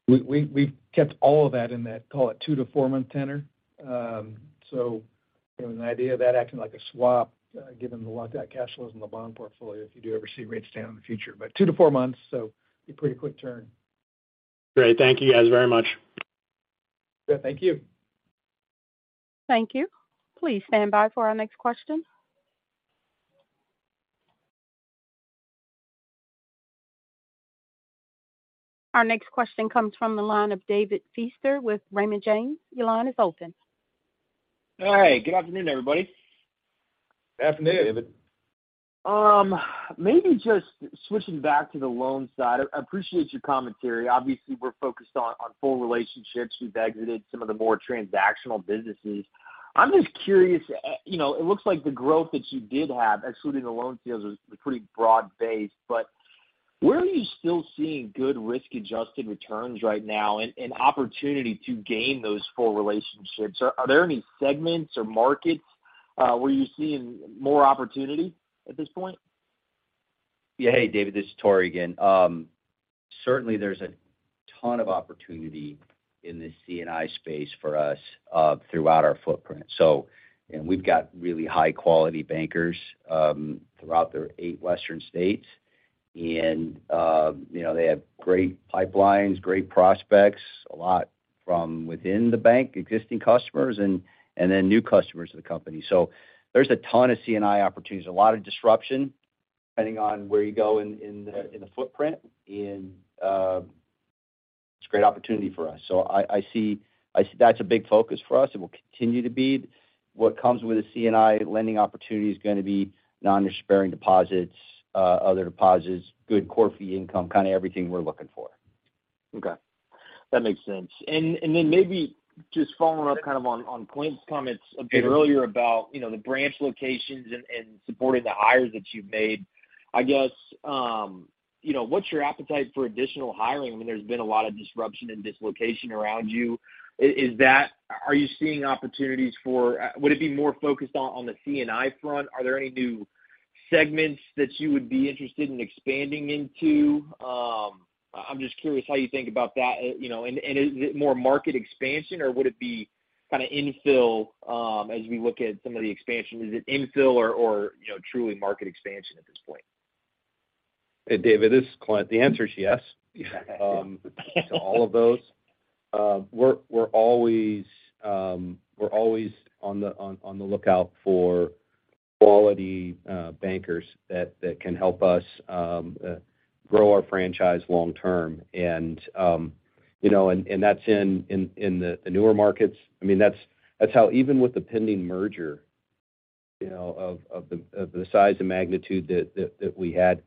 We've kept all of that in that, call it two- to-four-month tenor. you know, an idea of that acting like a swap, given the lack of cash flows in the bond portfolio, if you do ever see rates down in the future. two to four months, so a pretty quick turn. Great. Thank you guys very much. Yeah, thank you. Thank you. Please stand by for our next question. Our next question comes from the line of David Feaster with Raymond James. Your line is open. Hey, good afternoon, everybody. Afternoon, David. Maybe just switching back to the loan side. I appreciate your commentary. Obviously, we're focused on full relationships. You've exited some of the more transactional businesses. I'm just curious, you know, it looks like the growth that you did have, excluding the loan deals, was pretty broad-based. Where are you still seeing good risk-adjusted returns right now and opportunity to gain those full relationships? Are there any segments or markets, where you're seeing more opportunity at this point? Yeah. Hey, David, this is Tory again. Certainly there's a ton of opportunity in the C&I space for us throughout our footprint. We've got really high-quality bankers throughout the eight western states. You know, they have great pipelines, great prospects, a lot from within the bank, existing customers and then new customers of the company. There's a ton of C&I opportunities, a lot of disruption, depending on where you go in the footprint. It's a great opportunity for us. I see that's a big focus for us. It will continue to be. What comes with a C&I lending opportunity is going to be non-interest-bearing deposits, other deposits, good core fee income, kind of everything we're looking for. Okay, that makes sense. Then maybe just following up kind of on Clint's comments a bit earlier about, you know, the branch locations and supporting the hires that you've made. I guess, you know, what's your appetite for additional hiring? I mean, there's been a lot of disruption and dislocation around you. Are you seeing opportunities for? Would it be more focused on the C&I front? Are there any new segments that you would be interested in expanding into? I'm just curious how you think about that, you know, and is it more market expansion, or would it be kinda infill, as we look at some of the expansion? Is it infill or, you know, truly market expansion at this point? Hey, David, this is Clint. The answer is yes, to all of those. We're always on the lookout for quality bankers that can help us grow our franchise long term. You know, and that's in the newer markets. I mean, that's how, even with the pending merger, you know, of the size and magnitude that we had,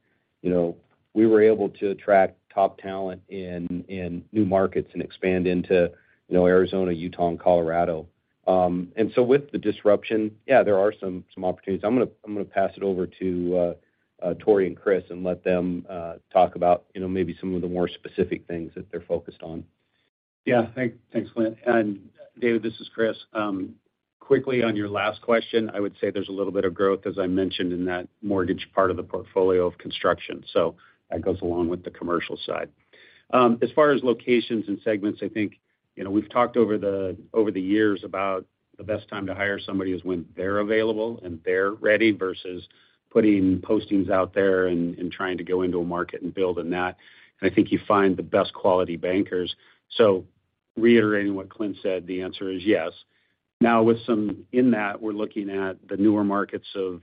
you know, we were able to attract top talent in new markets and expand into, you know, Arizona, Utah, and Colorado. With the disruption, yeah, there are some opportunities. I'm gonna pass it over to Tory and Chris, and let them talk about, you know, maybe some of the more specific things that they're focused on. Yeah. Thanks, Clint. David, this is Chris. Quickly on your last question, I would say there's a little bit of growth, as I mentioned, in that mortgage part of the portfolio of construction, so that goes along with the commercial side. As far as locations and segments, I think, you know, we've talked over the years about the best time to hire somebody is when they're available and they're ready, versus putting postings out there and trying to go into a market and build in that. I think you find the best quality bankers. Reiterating what Clint said, the answer is yes. In that, we're looking at the newer markets of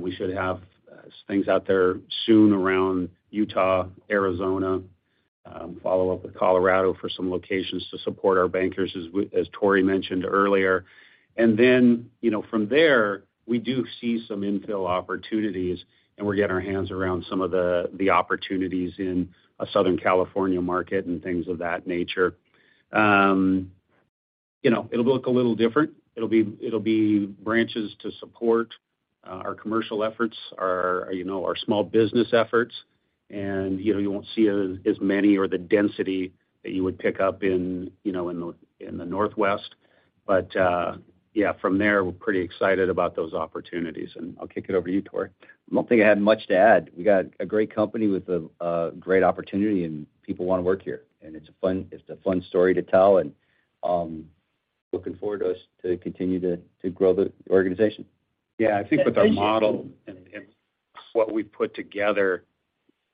we should have some things out there soon around Utah, Arizona, follow up with Colorado for some locations to support our bankers, as Tory mentioned earlier. You know, from there, we do see some infill opportunities, and we're getting our hands around some of the opportunities in a Southern California market and things of that nature. You know, it'll look a little different. It'll be branches to support our commercial efforts, our small business efforts. You won't see as many or the density that you would pick up in the Northwest. Yeah, from there, we're pretty excited about those opportunities. I'll kick it over to you, Tory. I don't think I have much to add. We got a great company with a great opportunity, People wanna work here, It's a fun story to tell, Looking forward to us to continue to grow the organization. I think with our model and what we've put together,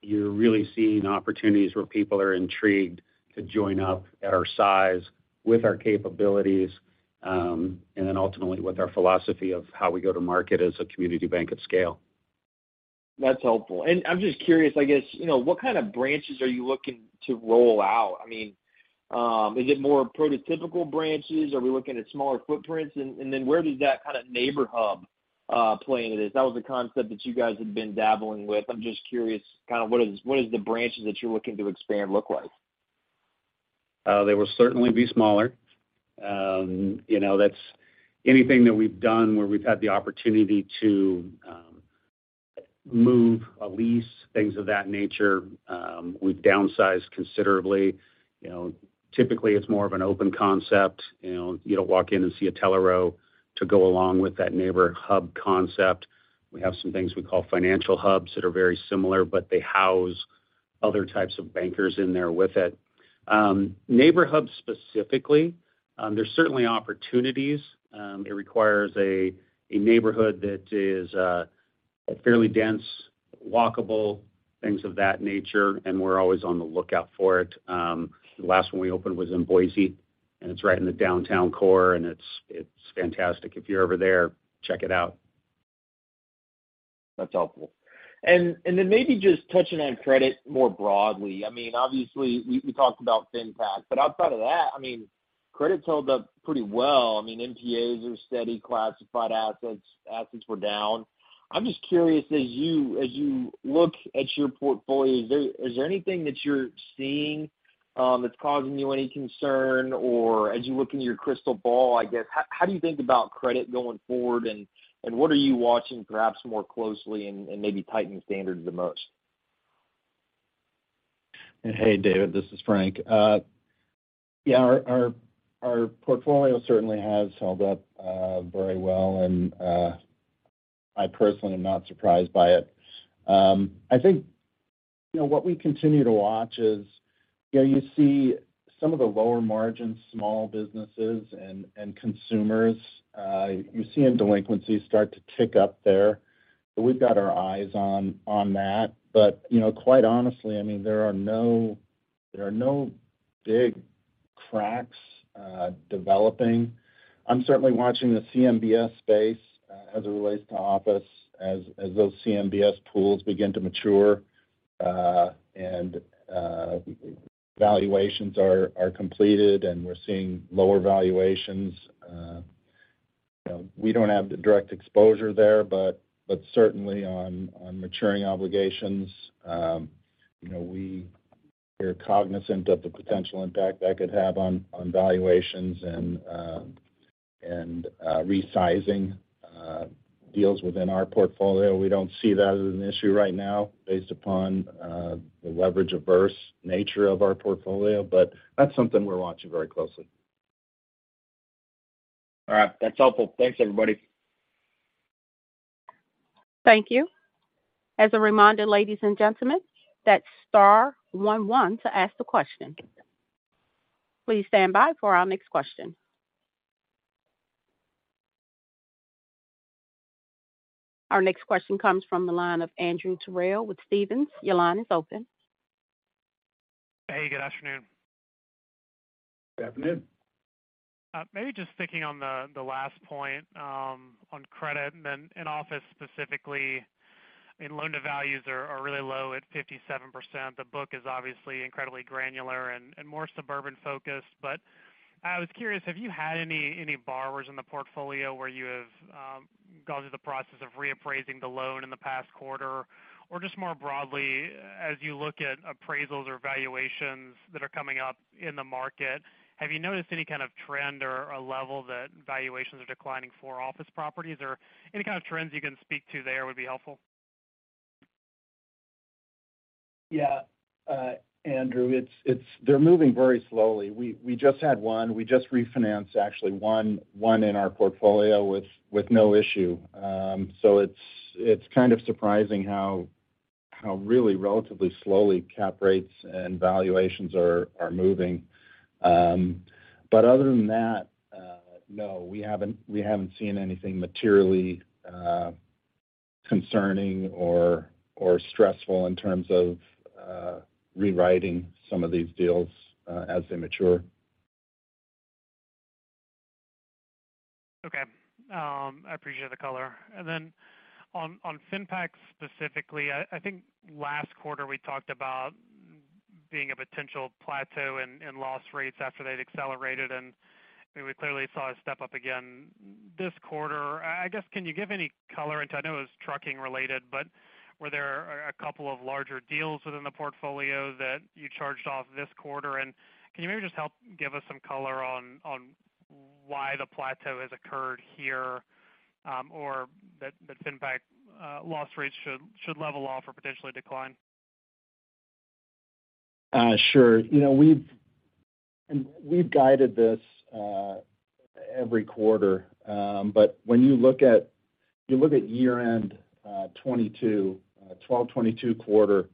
you're really seeing opportunities where people are intrigued to join up at our size, with our capabilities, and then ultimately, with our philosophy of how we go to market as a community bank at scale. That's helpful. I'm just curious, you know, what kind of branches are you looking to roll out? I mean, is it more prototypical branches? Are we looking at smaller footprints? Then where does that kind of neighborHub play into this? That was a concept that you guys had been dabbling with. I'm just curious, what does the branches that you're looking to expand look like? They will certainly be smaller. You know, that's anything that we've done where we've had the opportunity to move a lease, things of that nature, we've downsized considerably. You know, typically, it's more of an open concept. You know, you don't walk in and see a teller row to go along with that neighborHub concept. We have some things we call financial hubs that are very similar, but they house other types of bankers in there with it. NeighborHubs specifically, there's certainly opportunities. It requires a neighborhood that is a fairly dense, walkable, things of that nature, and we're always on the lookout for it. The last one we opened was in Boise, and it's right in the downtown core, and it's fantastic. If you're ever there, check it out. That's helpful. Then maybe just touching on credit more broadly. I mean, obviously, we talked about fintech, but outside of that, I mean, credit's held up pretty well. I mean, MTAs are steady, classified assets were down. I'm just curious, as you look at your portfolio, is there anything that you're seeing that's causing you any concern? Or as you look into your crystal ball, I guess, how do you think about credit going forward, and what are you watching perhaps more closely and maybe tightening standards the most? Hey, David, this is Frank. Yeah, our portfolio certainly has held up very well, and I personally am not surprised by it. I think, you know, what we continue to watch is, you know, you see some of the lower margin small businesses and consumers, you're seeing delinquencies start to tick up there, but we've got our eyes on that. You know, quite honestly, I mean, there are no big cracks developing. I'm certainly watching the CMBS space as it relates to office, as those CMBS pools begin to mature, and valuations are completed, and we're seeing lower valuations. You know, we don't have the direct exposure there, but certainly on maturing obligations, you know, we are cognizant of the potential impact that could have on valuations and resizing deals within our portfolio. We don't see that as an issue right now based upon the leverage-averse nature of our portfolio, but that's something we're watching very closely. All right. That's helpful. Thanks, everybody. Thank you. As a reminder, ladies and gentlemen, that's star one one to ask the question. Please stand by for our next question. Our next question comes from the line of Andrew Terrell with Stephens. Your line is open. Hey, good afternoon. Good afternoon. Maybe just sticking on the last point, on credit and then in office specifically, and loan to values are really low at 57%. The book is obviously incredibly granular and more suburban-focused. I was curious, have you had any borrowers in the portfolio where you have gone through the process of reappraising the loan in the past quarter? Just more broadly, as you look at appraisals or valuations that are coming up in the market, have you noticed any kind of trend or a level that valuations are declining for office properties? Any kind of trends you can speak to there would be helpful. Yeah, Andrew, it's they're moving very slowly. We just had one. We just refinanced actually one in our portfolio with no issue. It's kind of surprising how really relatively slowly cap rates and valuations are moving. Other than that, no, we haven't seen anything materially concerning or stressful in terms of rewriting some of these deals as they mature. Okay. I appreciate the color. Then on FinPac specifically, I think last quarter we talked about being a potential plateau in loss rates after they'd accelerated, and we clearly saw a step up again this quarter. I guess, can you give any color? I know it was trucking related, but were there a couple of larger deals within the portfolio that you charged off this quarter? Can you maybe just help give us some color on why the plateau has occurred here, or that FinPac loss rates should level off or potentially decline? Sure. You know, we've guided this every quarter. When you look at year-end 2022, 12/22 quarter,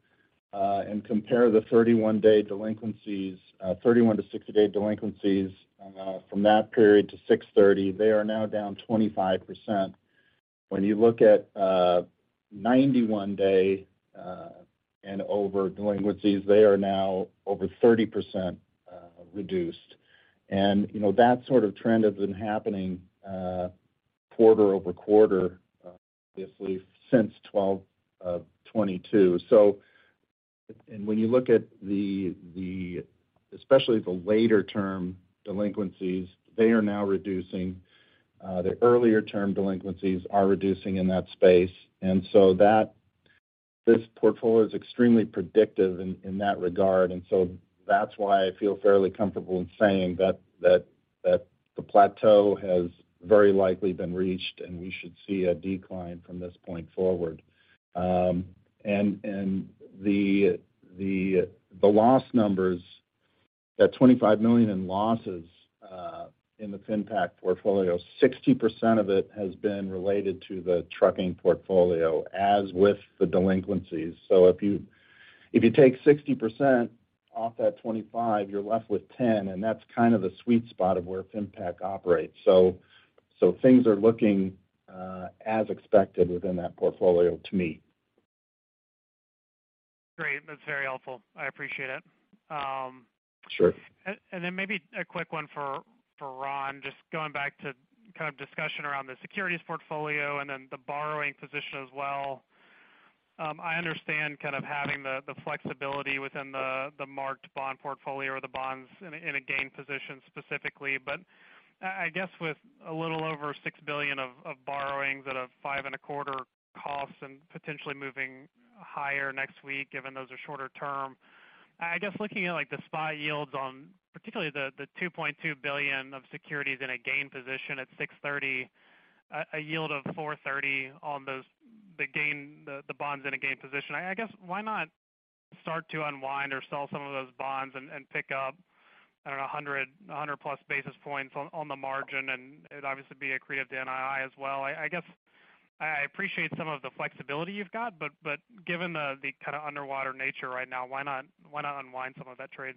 and compare the 31-day delinquencies, 31- to 60-day delinquencies, from that period to 6/30, they are now down 25%. When you look at 91-day and over delinquencies, they are now over 30% reduced. You know, that sort of trend has been happening quarter-over-quarter, obviously since 12/22. When you look at the, especially the later term delinquencies, they are now reducing, the earlier term delinquencies are reducing in that space. This portfolio is extremely predictive in that regard. That's why I feel fairly comfortable in saying that the plateau has very likely been reached, and we should see a decline from this point forward and the loss numbers, that $25 million in losses, in the FinPac portfolio, 60% of it has been related to the trucking portfolio, as with the delinquencies. If you take 60% off that 25, you're left with 10, and that's kind of the sweet spot of where FinPac operates. Things are looking as expected within that portfolio to me. Great, that's very helpful. I appreciate it. Sure. Then maybe a quick one for Ron. Just going back to kind of discussion around the securities portfolio and then the borrowing position as well. I understand kind of having the flexibility within the marked bond portfolio or the bonds in a gain position specifically. I guess with a little over $6 billion of borrowings at a 5.25% costs and potentially moving higher next week, given those are shorter term, I guess looking at, like, the spot yields on particularly the $2.2 billion of securities in a gain position at 6.30, a yield of 4.30 on those, the gain, the bonds in a gain position. I guess, why not start to unwind or sell some of those bonds and pick up, I don't know, 100 plus basis points on the margin, and it'd obviously be accretive to NII as well. I guess I appreciate some of the flexibility you've got, but given the kind of underwater nature right now, why not unwind some of that trade?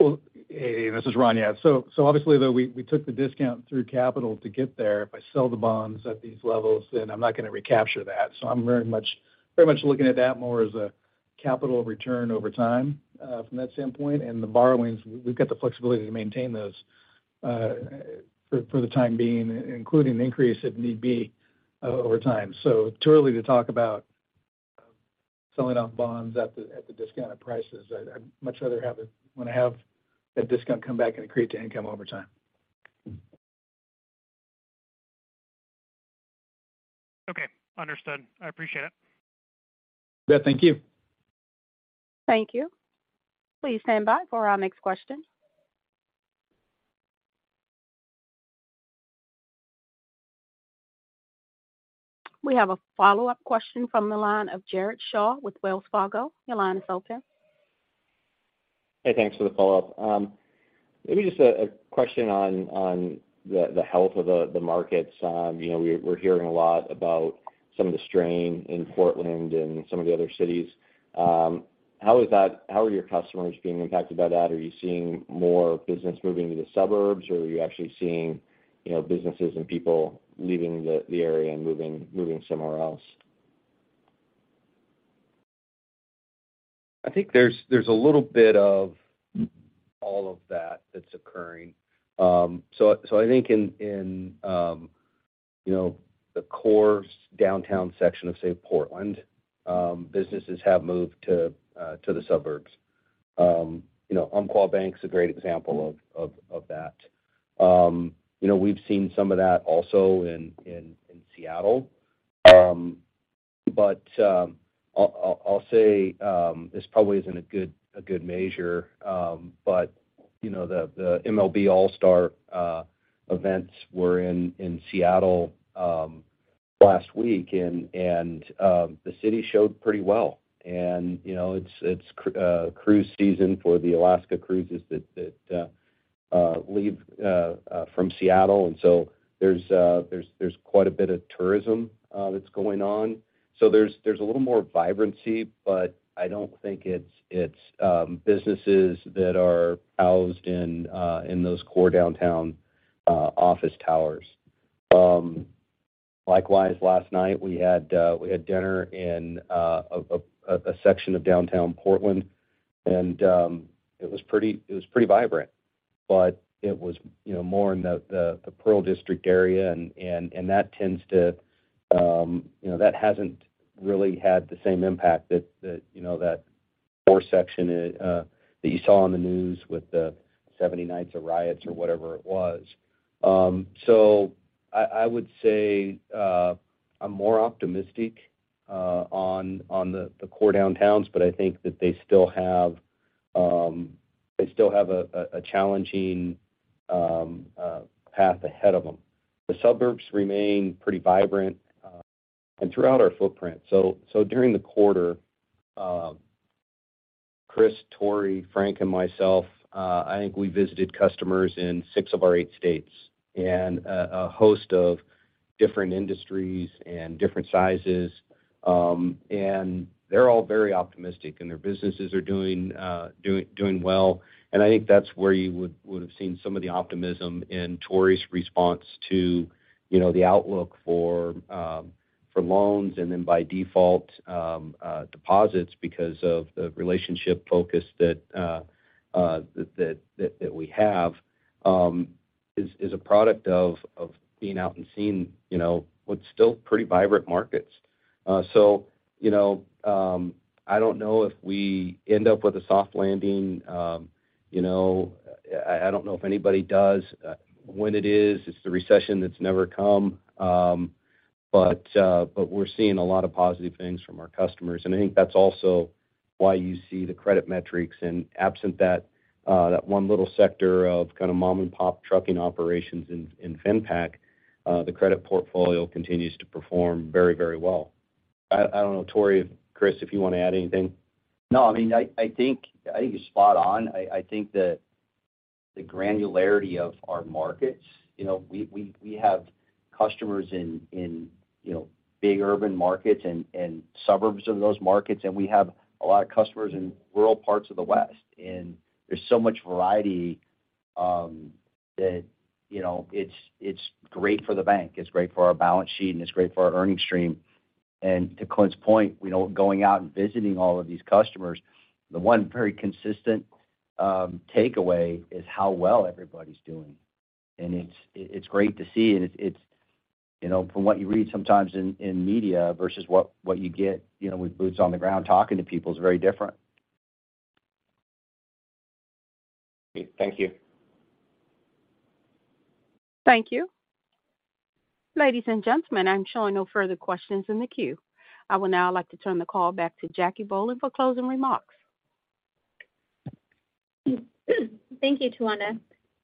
Well, this is Ron. Yeah. Obviously, though, we took the discount through capital to get there. If I sell the bonds at these levels, then I'm not going to recapture that. I'm very much, very much looking at that more as a capital return over time, from that standpoint. The borrowings, we've got the flexibility to maintain those, for the time being, including the increase, if need be, over time. Too early to talk about selling off bonds at the discounted prices. I'd much rather have it when I have that discount come back and accrete to income over time. Okay, understood. I appreciate it. Yeah, thank you. Thank you. Please stand by for our next question. We have a follow-up question from the line of Jared Shaw with Wells Fargo. Your line is open. Hey, thanks for the follow-up. Maybe just a question on the health of the markets. You know, we're hearing a lot about some of the strain in Portland and some of the other cities. How are your customers being impacted by that? Are you seeing more business moving to the suburbs, or are you actually seeing, you know, businesses and people leaving the area and moving somewhere else? I think there's a little bit of all of that that's occurring. I think in, you know, the core downtown section of, say, Portland, businesses have moved to the suburbs. You know, Umpqua Bank is a great example of that. You know, we've seen some of that also in Seattle. I'll say, this probably isn't a good measure, but, you know, the MLB All-Star events were in Seattle last week, and the city showed pretty well. You know, it's cruise season for the Alaska cruises that leave from Seattle. There's quite a bit of tourism that's going on. There's a little more vibrancy, but I don't think it's businesses that are housed in those core downtown office towers. Likewise, last night, we had dinner in a section of downtown Portland, and it was pretty vibrant. It was, you know, more in the Pearl District area, and that tends to, you know, that hasn't really had the same impact that, you know, that core section that you saw on the news with the 70 nights of riots or whatever it was. I would say, I'm more optimistic on the core downtowns, but I think that they still have a challenging path ahead of them. The suburbs remain pretty vibrant, and throughout our footprint. During the quarter, Chris, Tory, Frank, and myself, I think we visited customers in six of our eight states, and a host of different industries and different sizes. They're all very optimistic, and their businesses are doing well. I think that's where you would have seen some of the optimism in Tory's response to, you know, the outlook for loans, and then by default, deposits because of the relationship focus that we have, is a product of being out and seeing, you know, what's still pretty vibrant markets. You know, I don't know if we end up with a soft landing. You know, I don't know if anybody does, when it is, it's the recession that's never come. We're seeing a lot of positive things from our customers, and I think that's also why you see the credit metrics. Absent that one little sector of kind of mom-and-pop trucking operations in FinPac, the credit portfolio continues to perform very, very well. I don't know, Tory, Chris, if you want to add anything? No, I mean, I think you're spot on. I think that the granularity of our markets, you know, we have customers in, you know, big urban markets and suburbs of those markets, and we have a lot of customers in rural parts of the West. There's so much variety, that, you know, it's great for the bank, it's great for our balance sheet, and it's great for our earnings stream. To Clint's point, you know, going out and visiting all of these customers, the one very consistent takeaway is how well everybody's doing. It's great to see, and it's. You know, from what you read sometimes in media versus what you get, you know, with boots on the ground talking to people is very different. Thank you. Thank you. Ladies and gentlemen, I'm showing no further questions in the queue. I would now like to turn the call back to Jacque Bohlen for closing remarks. Thank you, Tawanda.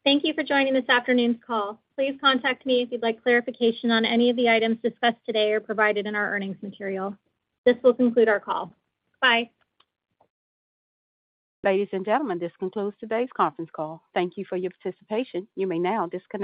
Thank you for joining this afternoon's call. Please contact me if you'd like clarification on any of the items discussed today or provided in our earnings material. This will conclude our call. Bye. Ladies and gentlemen, this concludes today's conference call. Thank you for your participation. You may now disconnect.